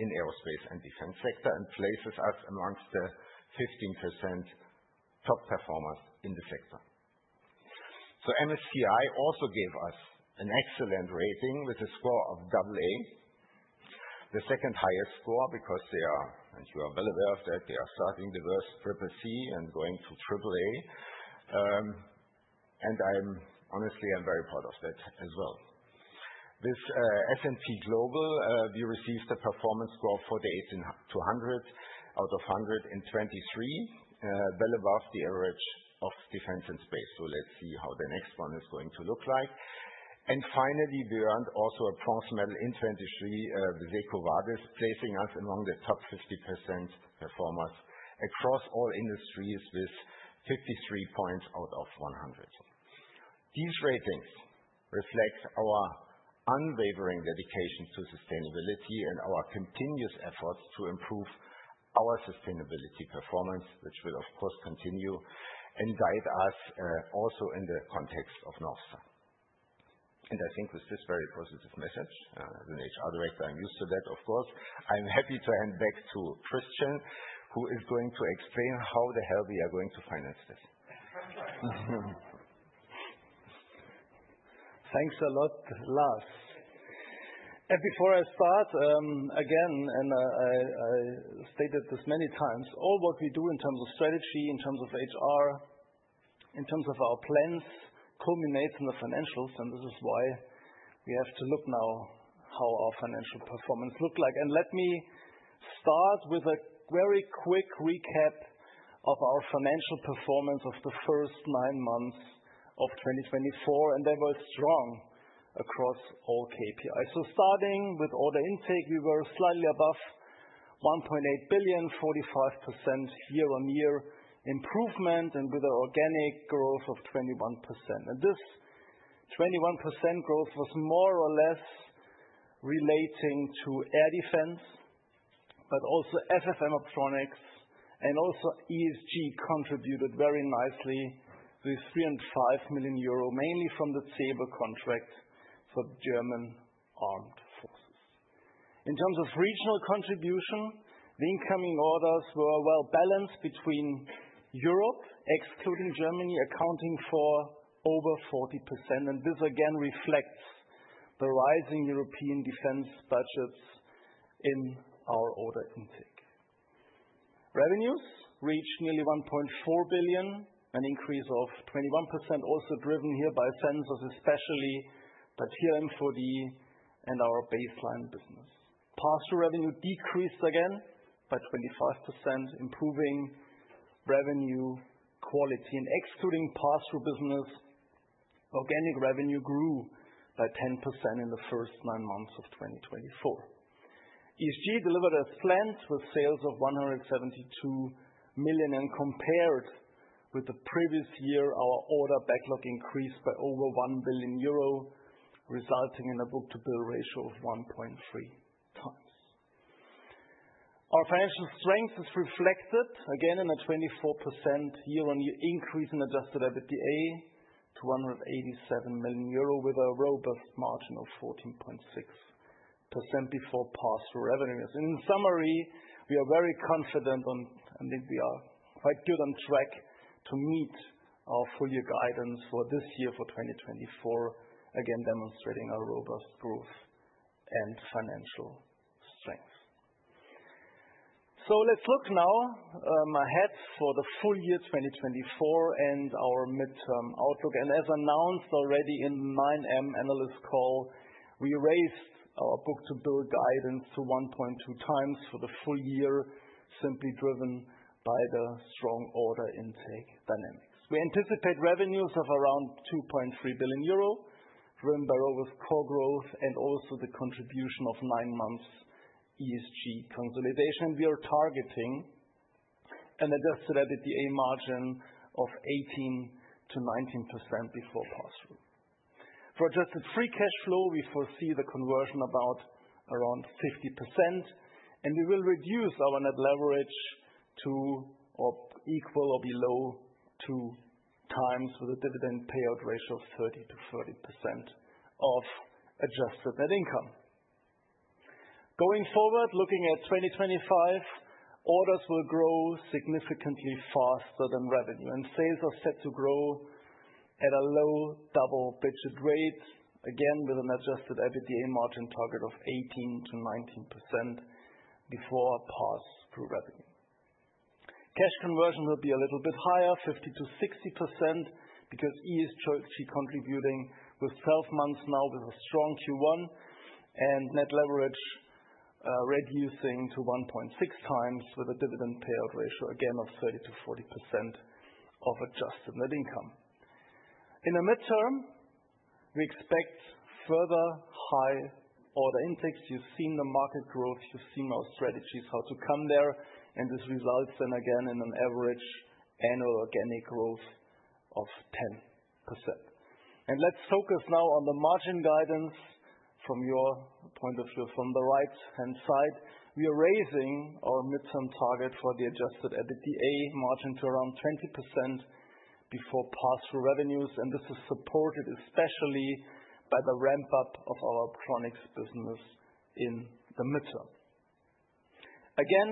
in aerospace and defense sector and places us amongst the 15% top performers in the sector. MSCI also gave us an excellent rating with a score of AA, the second highest score because they are, and you are well aware of that, they are starting the from CCC and going to AAA. I'm honestly very proud of that as well. With S&P Global, we received a performance score of 48 to 100 out of 100 in 2023, well above the average of defense and space. Let's see how the next one is going to look like. Finally, we earned also a bronze medal in 2023 with EcoVadis, placing us among the top 50% performers across all industries with 53 points out of 100. These ratings reflect our unwavering dedication to sustainability and our continuous efforts to improve our sustainability performance, which will, of course, continue and guide us also in the context of North Star. I think with this very positive message, as an HR director, I'm used to that, of course, I'm happy to hand back to Christian, who is going to explain how the hell we are going to finance this. Thanks a lot, Lars. Before I start, again, and I stated this many times, all what we do in terms of strategy, in terms of HR, in terms of our plans culminates in the financials, and this is why we have to look now at how our financial performance looks like. Let me start with a very quick recap of our financial performance of the first nine months of 2024, and they were strong across all KPIs. Starting with order intake, we were slightly above 1.8 billion, 45% year-on-year improvement, and with an organic growth of 21%. This 21% growth was more or less relating to air defense, but also FMS Optronics, and ESG contributed very nicely with 3.5 million euro, mainly from the main contract for the German armed forces. In terms of regional contribution, the incoming orders were well balanced between Europe, excluding Germany, accounting for over 40%. This again reflects the rising European defense budgets in our order intake. Revenues reached nearly 1.4 billion, an increase of 21%, also driven here by Sensors, especially the TRML-4D and our baseline business. Pass-through revenue decreased again by 25%, improving revenue quality. Excluding pass-through business, organic revenue grew by 10% in the first nine months of 2024. ESG delivered as planned with sales of 172 million, and compared with the previous year, our order backlog increased by over 1 billion euro, resulting in a book-to-bill ratio of 1.3 times. Our financial strength is reflected again in a 24% year-on-year increase in adjusted EBITDA to 187 million euro, with a robust margin of 14.6% before pass-through revenues. In summary, we are very confident on, I think we are quite good on track to meet our full year guidance for this year for 2024, again demonstrating our robust growth and financial strength. Let's look now ahead for the full year 2024 and our midterm outlook. As announced already in 9M analyst call, we raised our book-to-bill guidance to 1.2 times for the full year, simply driven by the strong order intake dynamics. We anticipate revenues of around 2.3 billion euro, year-over-year with core growth, and also the contribution of nine months ESG consolidation. We are targeting an adjusted EBITDA margin of 18% to 19% before pass-through. For adjusted free cash flow, we foresee the conversion of around 50%, and we will reduce our net leverage to equal or below two times with a dividend payout ratio of 30% to 40% of adjusted net income. Going forward, looking at 2025, orders will grow significantly faster than revenue, and sales are set to grow at a low double-digit rate, again with an adjusted EBITDA margin target of 18% to 19% before pass-through revenue. Cash conversion will be a little bit higher, 50% to 60%, because ESG contributing with six months now with a strong Q1 and net leverage reducing to 1.6 times with a dividend payout ratio, again of 30% to 40% of adjusted net income. In the midterm, we expect further high order intakes. You've seen the market growth, you've seen our strategies, how to come there, and this results then again in an average annual organic growth of 10%. Let's focus now on the margin guidance from your point of view, from the right-hand side. We are raising our midterm target for the adjusted EBITDA margin to around 20% before pass-through revenues, and this is supported especially by the ramp-up of our optronics business in the midterm. Again,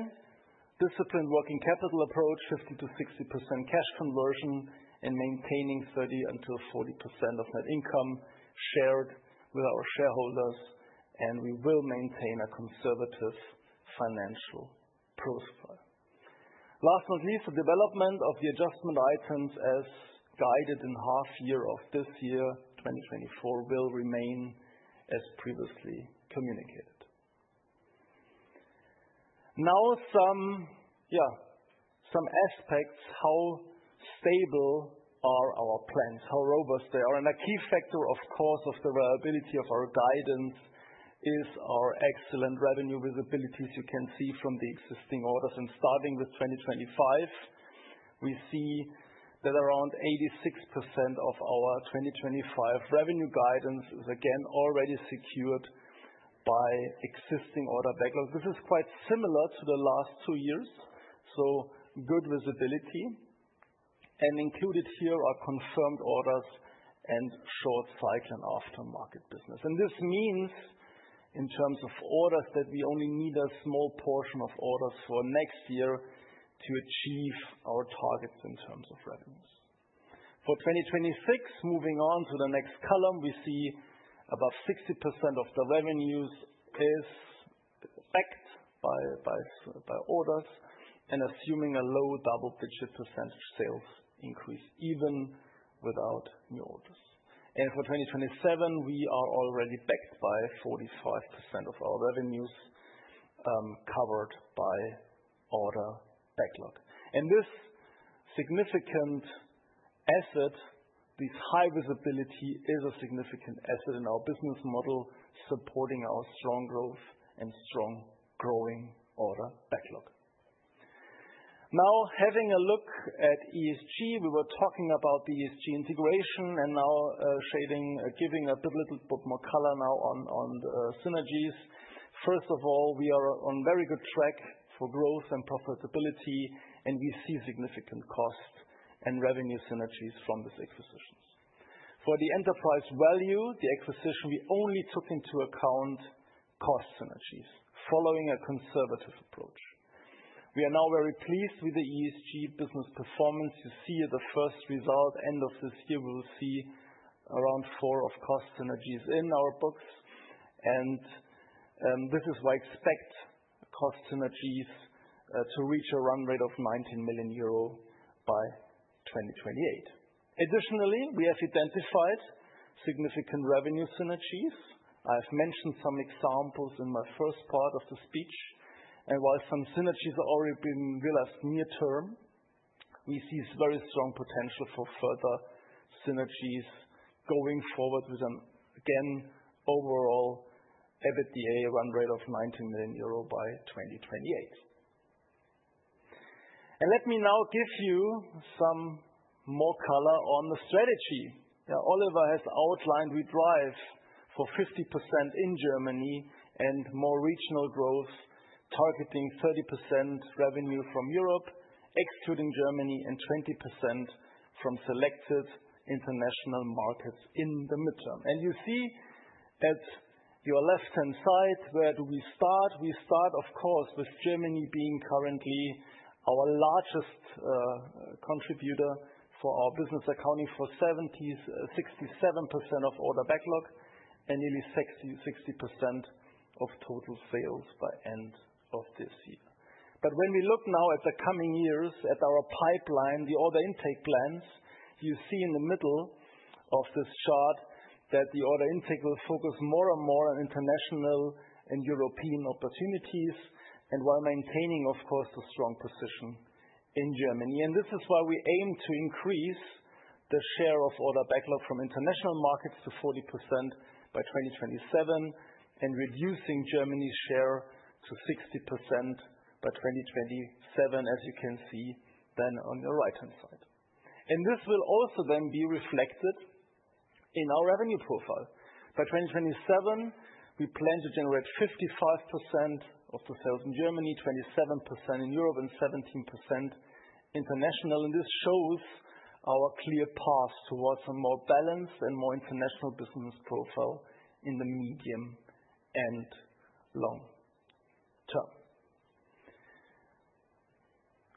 disciplined working capital approach, 50% to 60% cash conversion and maintaining 30% to 40% of net income shared with our shareholders, and we will maintain a conservative financial profile. Last but not least, the development of the adjustment items as guided in half year of this year, 2024, will remain as previously communicated. Now, some aspects, how stable are our plans, how robust they are. A key factor, of course, of the reliability of our guidance is our excellent revenue visibility you can see from the existing orders. Starting with 2025, we see that around 86% of our 2025 revenue guidance is again already secured by existing order backlog. This is quite similar to the last two years, so good visibility. Included here are confirmed orders and short cycle and aftermarket business. This means in terms of orders that we only need a small portion of orders for next year to achieve our targets in terms of revenues. For 2026, moving on to the next column, we see above 60% of the revenues is backed by orders and assuming a low double-digit percentage sales increase even without new orders. For 2027, we are already backed by 45% of our revenues covered by order backlog. This significant asset, this high visibility is a significant asset in our business model, supporting our strong growth and strong growing order backlog. Now, having a look at ESG, we were talking about the ESG integration and now shading, giving a little bit more color now on the synergies. First of all, we are on very good track for growth and profitability, and we see significant cost and revenue synergies from these acquisitions. For the enterprise value, the acquisition, we only took into account cost synergies following a conservative approach. We are now very pleased with the ESG business performance. You see the first result end of this year, we will see around 4 million of cost synergies in our books. This is why I expect cost synergies to reach a run rate of 19 million euro by 2028. Additionally, we have identified significant revenue synergies. I have mentioned some examples in my first part of the speech. While some synergies are already being realized near term, we see very strong potential for further synergies going forward with an overall EBITDA run rate of 19 million euro by 2028. Let me now give you some more color on the strategy. Oliver has outlined we drive for 50% in Germany and more regional growth targeting 30% revenue from Europe, excluding Germany and 20% from selected international markets in the midterm. You see at your left-hand side, where do we start? We start, of course, with Germany being currently our largest contributor for our business accounting for 67% of order backlog and nearly 60% of total sales by end of this year. But when we look now at the coming years at our pipeline, the order intake plans, you see in the middle of this chart that the order intake will focus more and more on international and European opportunities while maintaining, of course, the strong position in Germany. This is why we aim to increase the share of order backlog from international markets to 40% by 2027 and reducing Germany's share to 60% by 2027, as you can see then on your right-hand side. This will also then be reflected in our revenue profile. By 2027, we plan to generate 55% of the sales in Germany, 27% in Europe, and 17% international. This shows our clear path towards a more balanced and more international business profile in the medium and long term.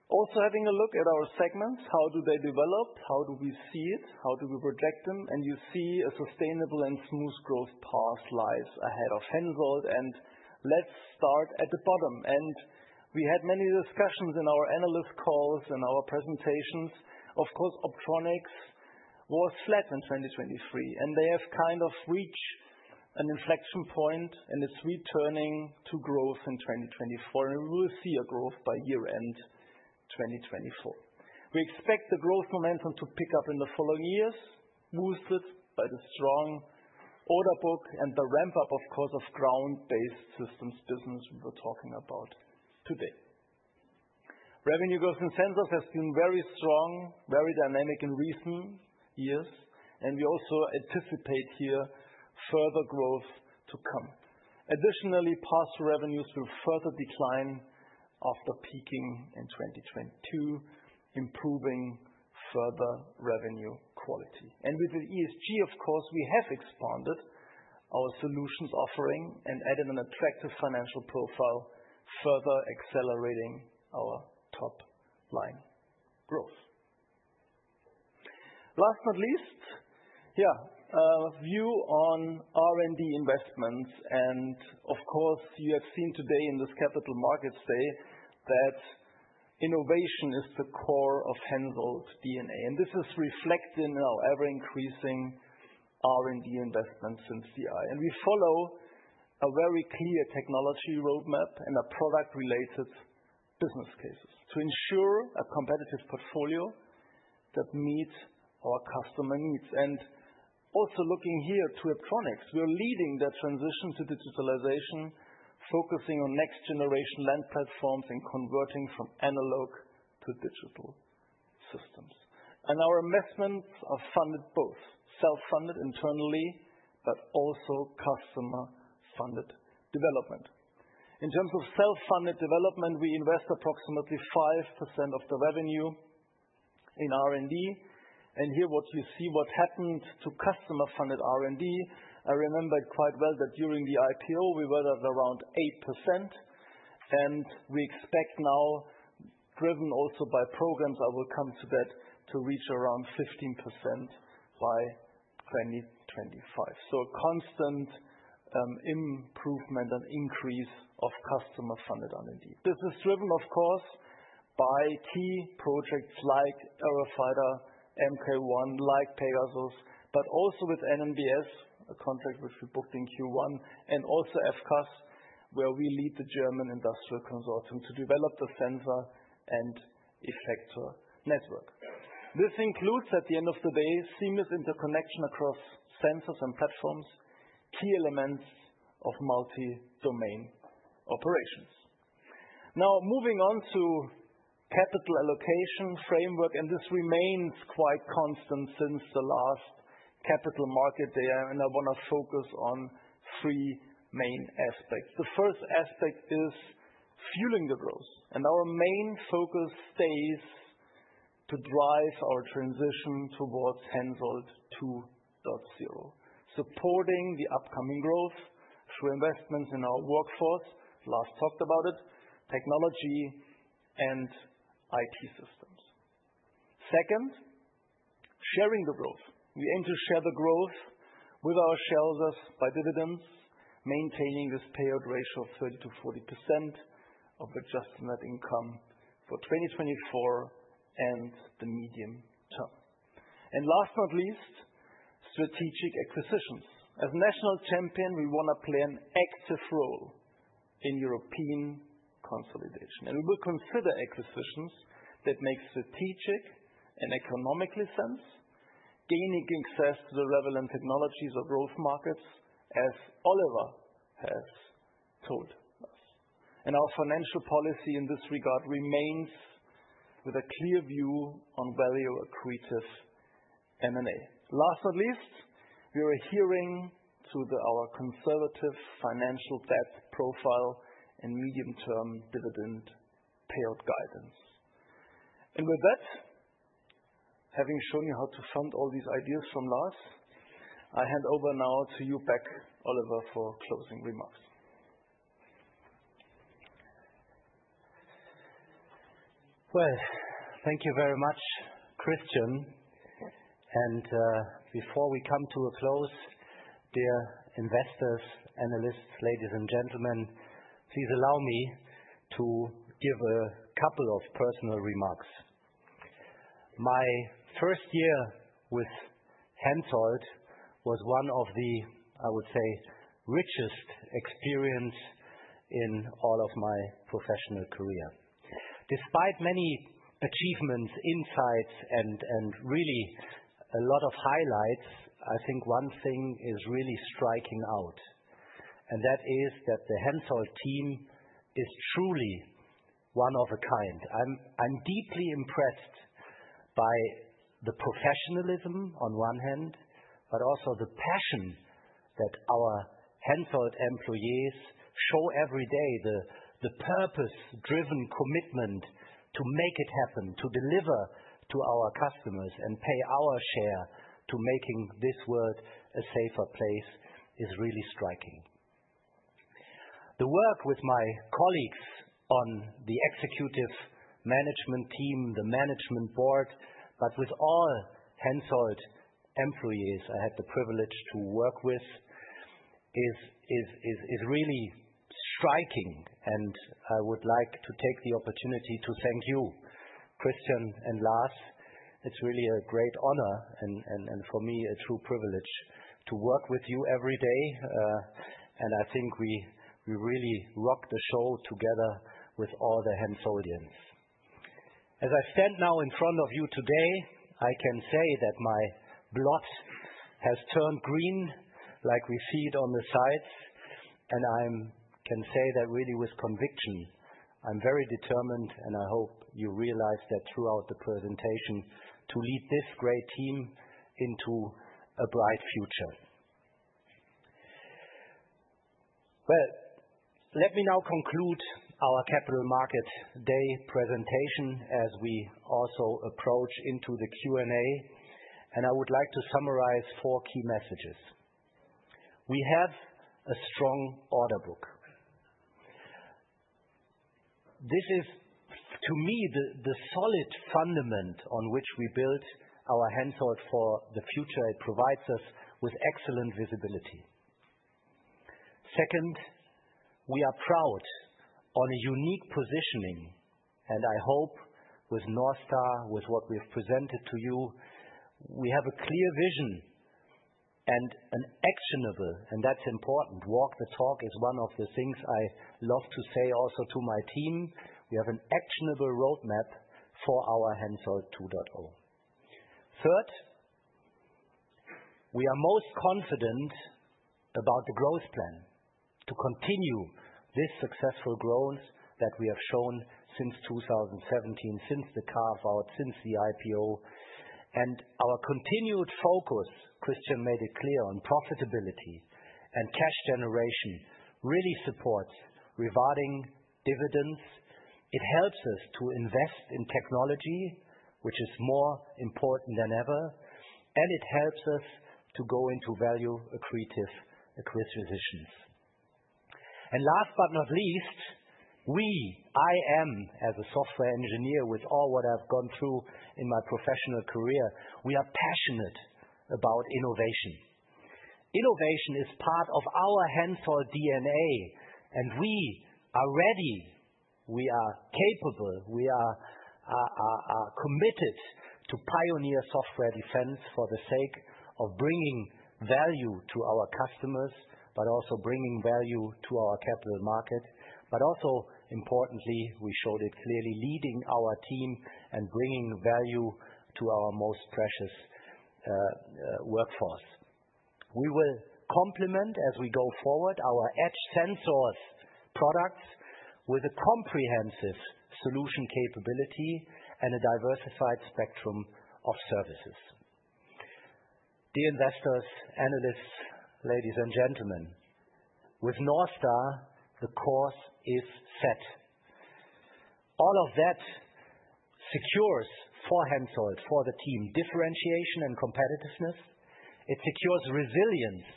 Also having a look at our segments, how do they develop, how do we see it, how do we project them, and you see a sustainable and smooth growth path lies ahead of Hensoldt. Let's start at the bottom. We had many discussions in our analyst calls and our presentations. Of course, optronics was flat in 2023, and they have kind of reached an inflection point and it's returning to growth in 2024. We will see growth by year-end 2024. We expect the growth momentum to pick up in the following years, boosted by the strong order book and the ramp-up, of course, of Ground-Based Systems business we were talking about today. Revenue growth in Sensors has been very strong, very dynamic in recent years, and we also anticipate further growth to come. Additionally, pass-through revenues will further decline after peaking in 2022, improving further revenue quality. With the ESG, of course, we have expanded our solutions offering and added an attractive financial profile, further accelerating our top-line growth. Last but not least, view on R&D investments. Of course, you have seen today in this Capital Markets Day that innovation is the core of Hensoldt DNA. This is reflected in our ever-increasing R&D investments since the IPO. We follow a very clear technology roadmap and our product-related business cases to ensure a competitive portfolio that meets our customer needs. Also looking here to optronics, we are leading that transition to digitalization, focusing on next-generation land platforms and converting from analog to digital systems. Our investments are funded both self-funded internally, but also customer-funded development. In terms of self-funded development, we invest approximately 5% of the revenue in R&D. Here what you see, what happened to customer-funded R&D, I remembered quite well that during the IPO, we were at around 8%. We expect now, driven also by programs, I will come to that to reach around 15% by 2025. A constant improvement and increase of customer-funded R&D. This is driven, of course, by key projects like Eurofighter Mk1 like Pegasus, but also with NNbS, a contract which we booked in Q1, and also FCAS, where we lead the German industrial consortium to develop the sensor and effector network. This includes, at the end of the day, seamless interconnection across Sensors and platforms, key elements of multi-domain operations. Moving on to capital allocation framework, and this remains quite constant since the last Capital Markets Day, and I want to focus on three main aspects. The first aspect is fueling the growth, and our main focus stays to drive our transition towards Hensoldt 2.0, supporting the upcoming growth through investments in our workforce. Last talked about it, technology and IT systems. Second, sharing the growth. We aim to share the growth with our shareholders by dividends, maintaining this payout ratio of 30% to 40% of adjusted net income for 2024 and the medium term. Last but not least, strategic acquisitions. As a national champion, we want to play an active role in European consolidation, and we will consider acquisitions that make strategic and economic sense, gaining access to the relevant technologies or growth markets, as Oliver has told us. Our financial policy in this regard remains with a clear view on value-accretive M&A. Last but not least, we are adhering to our conservative financial debt profile and medium-term dividend payout guidance. With that, having shown you how to fund all these ideas from last, I hand over now to you back, Oliver, for closing remarks. Thank you very much, Christian. Before we come to a close, dear investors, analysts, ladies and gentlemen, please allow me to give a couple of personal remarks. My first year with Hensoldt was one of the richest experiences in all of my professional career. Despite many achievements, insights, and really a lot of highlights, I think one thing is really striking out, and that is that the Hensoldt team is truly one of a kind. I'm deeply impressed by the professionalism on one hand, but also the passion that our Hensoldt employees show every day. The purpose-driven commitment to make it happen, to deliver to our customers and pay our share to making this world a safer place is really striking. The work with my colleagues on the executive management team, the management board, but with all Hensoldt employees I had the privilege to work with is really striking, and I would like to take the opportunity to thank you, Christian and Lars. It's really a great honor and for me a true privilege to work with you every day. I think we really rock the show together with all the Hensoldtians. As I stand now in front of you today, I can say that my blood has turned green like we see it on the sides, and I can say that really with conviction. I'm very determined, and I hope you realize that throughout the presentation to lead this great team into a bright future. Well, let me now conclude our capital market day presentation as we also approach the Q&A, and I would like to summarize four key messages. We have a strong order book. This is, to me, the solid fundament on which we build our Hensoldt for the future. It provides us with excellent visibility. Second, we are proud of a unique positioning, and I hope with North Star, with what we've presented to you, we have a clear vision and an actionable, and that's important. Walk the talk is one of the things I love to say also to my team. We have an actionable roadmap for our Hensoldt 2.0. Third, we are most confident about the growth plan to continue this successful growth that we have shown since 2017, since the carve-out, since the IPO. Our continued focus, Christian made it clear on profitability and cash generation really supports rewarding dividends. It helps us to invest in technology, which is more important than ever, and it helps us to go into value-accretive acquisitions. Last but not least, I am as a software engineer with all what I've gone through in my professional career, we are passionate about innovation. Innovation is part of our Hensoldt DNA, and we are ready, we are capable, we are committed to pioneer software defense for the sake of bringing value to our customers, but also bringing value to our capital market. But also importantly, we showed it clearly, leading our team and bringing value to our most precious workforce. We will complement as we go forward our edge Sensors products with a comprehensive solution capability and a diversified spectrum of services. Dear investors, analysts, ladies and gentlemen, with North Star, the course is set. All of that secures for Hensoldt, for the team, differentiation and competitiveness. It secures resilience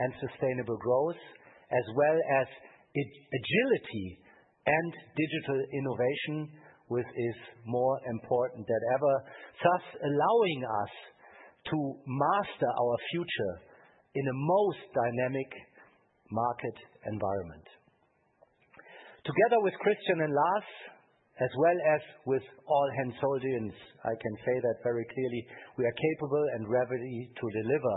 and sustainable growth, as well as agility and digital innovation, which is more important than ever, thus allowing us to master our future in a most dynamic market environment. Together with Christian and Lars, as well as with all Hensoldtians, I can say that very clearly, we are capable and ready to deliver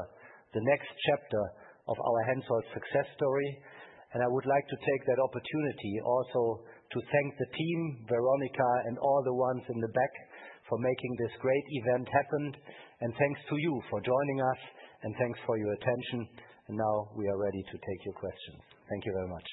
the next chapter of our Hensoldt success story. I would like to take that opportunity also to thank the team, Veronika, and all the ones in the back for making this great event happen. Thanks to you for joining us, and thanks for your attention. Now we are ready to take your questions. Thank you very much.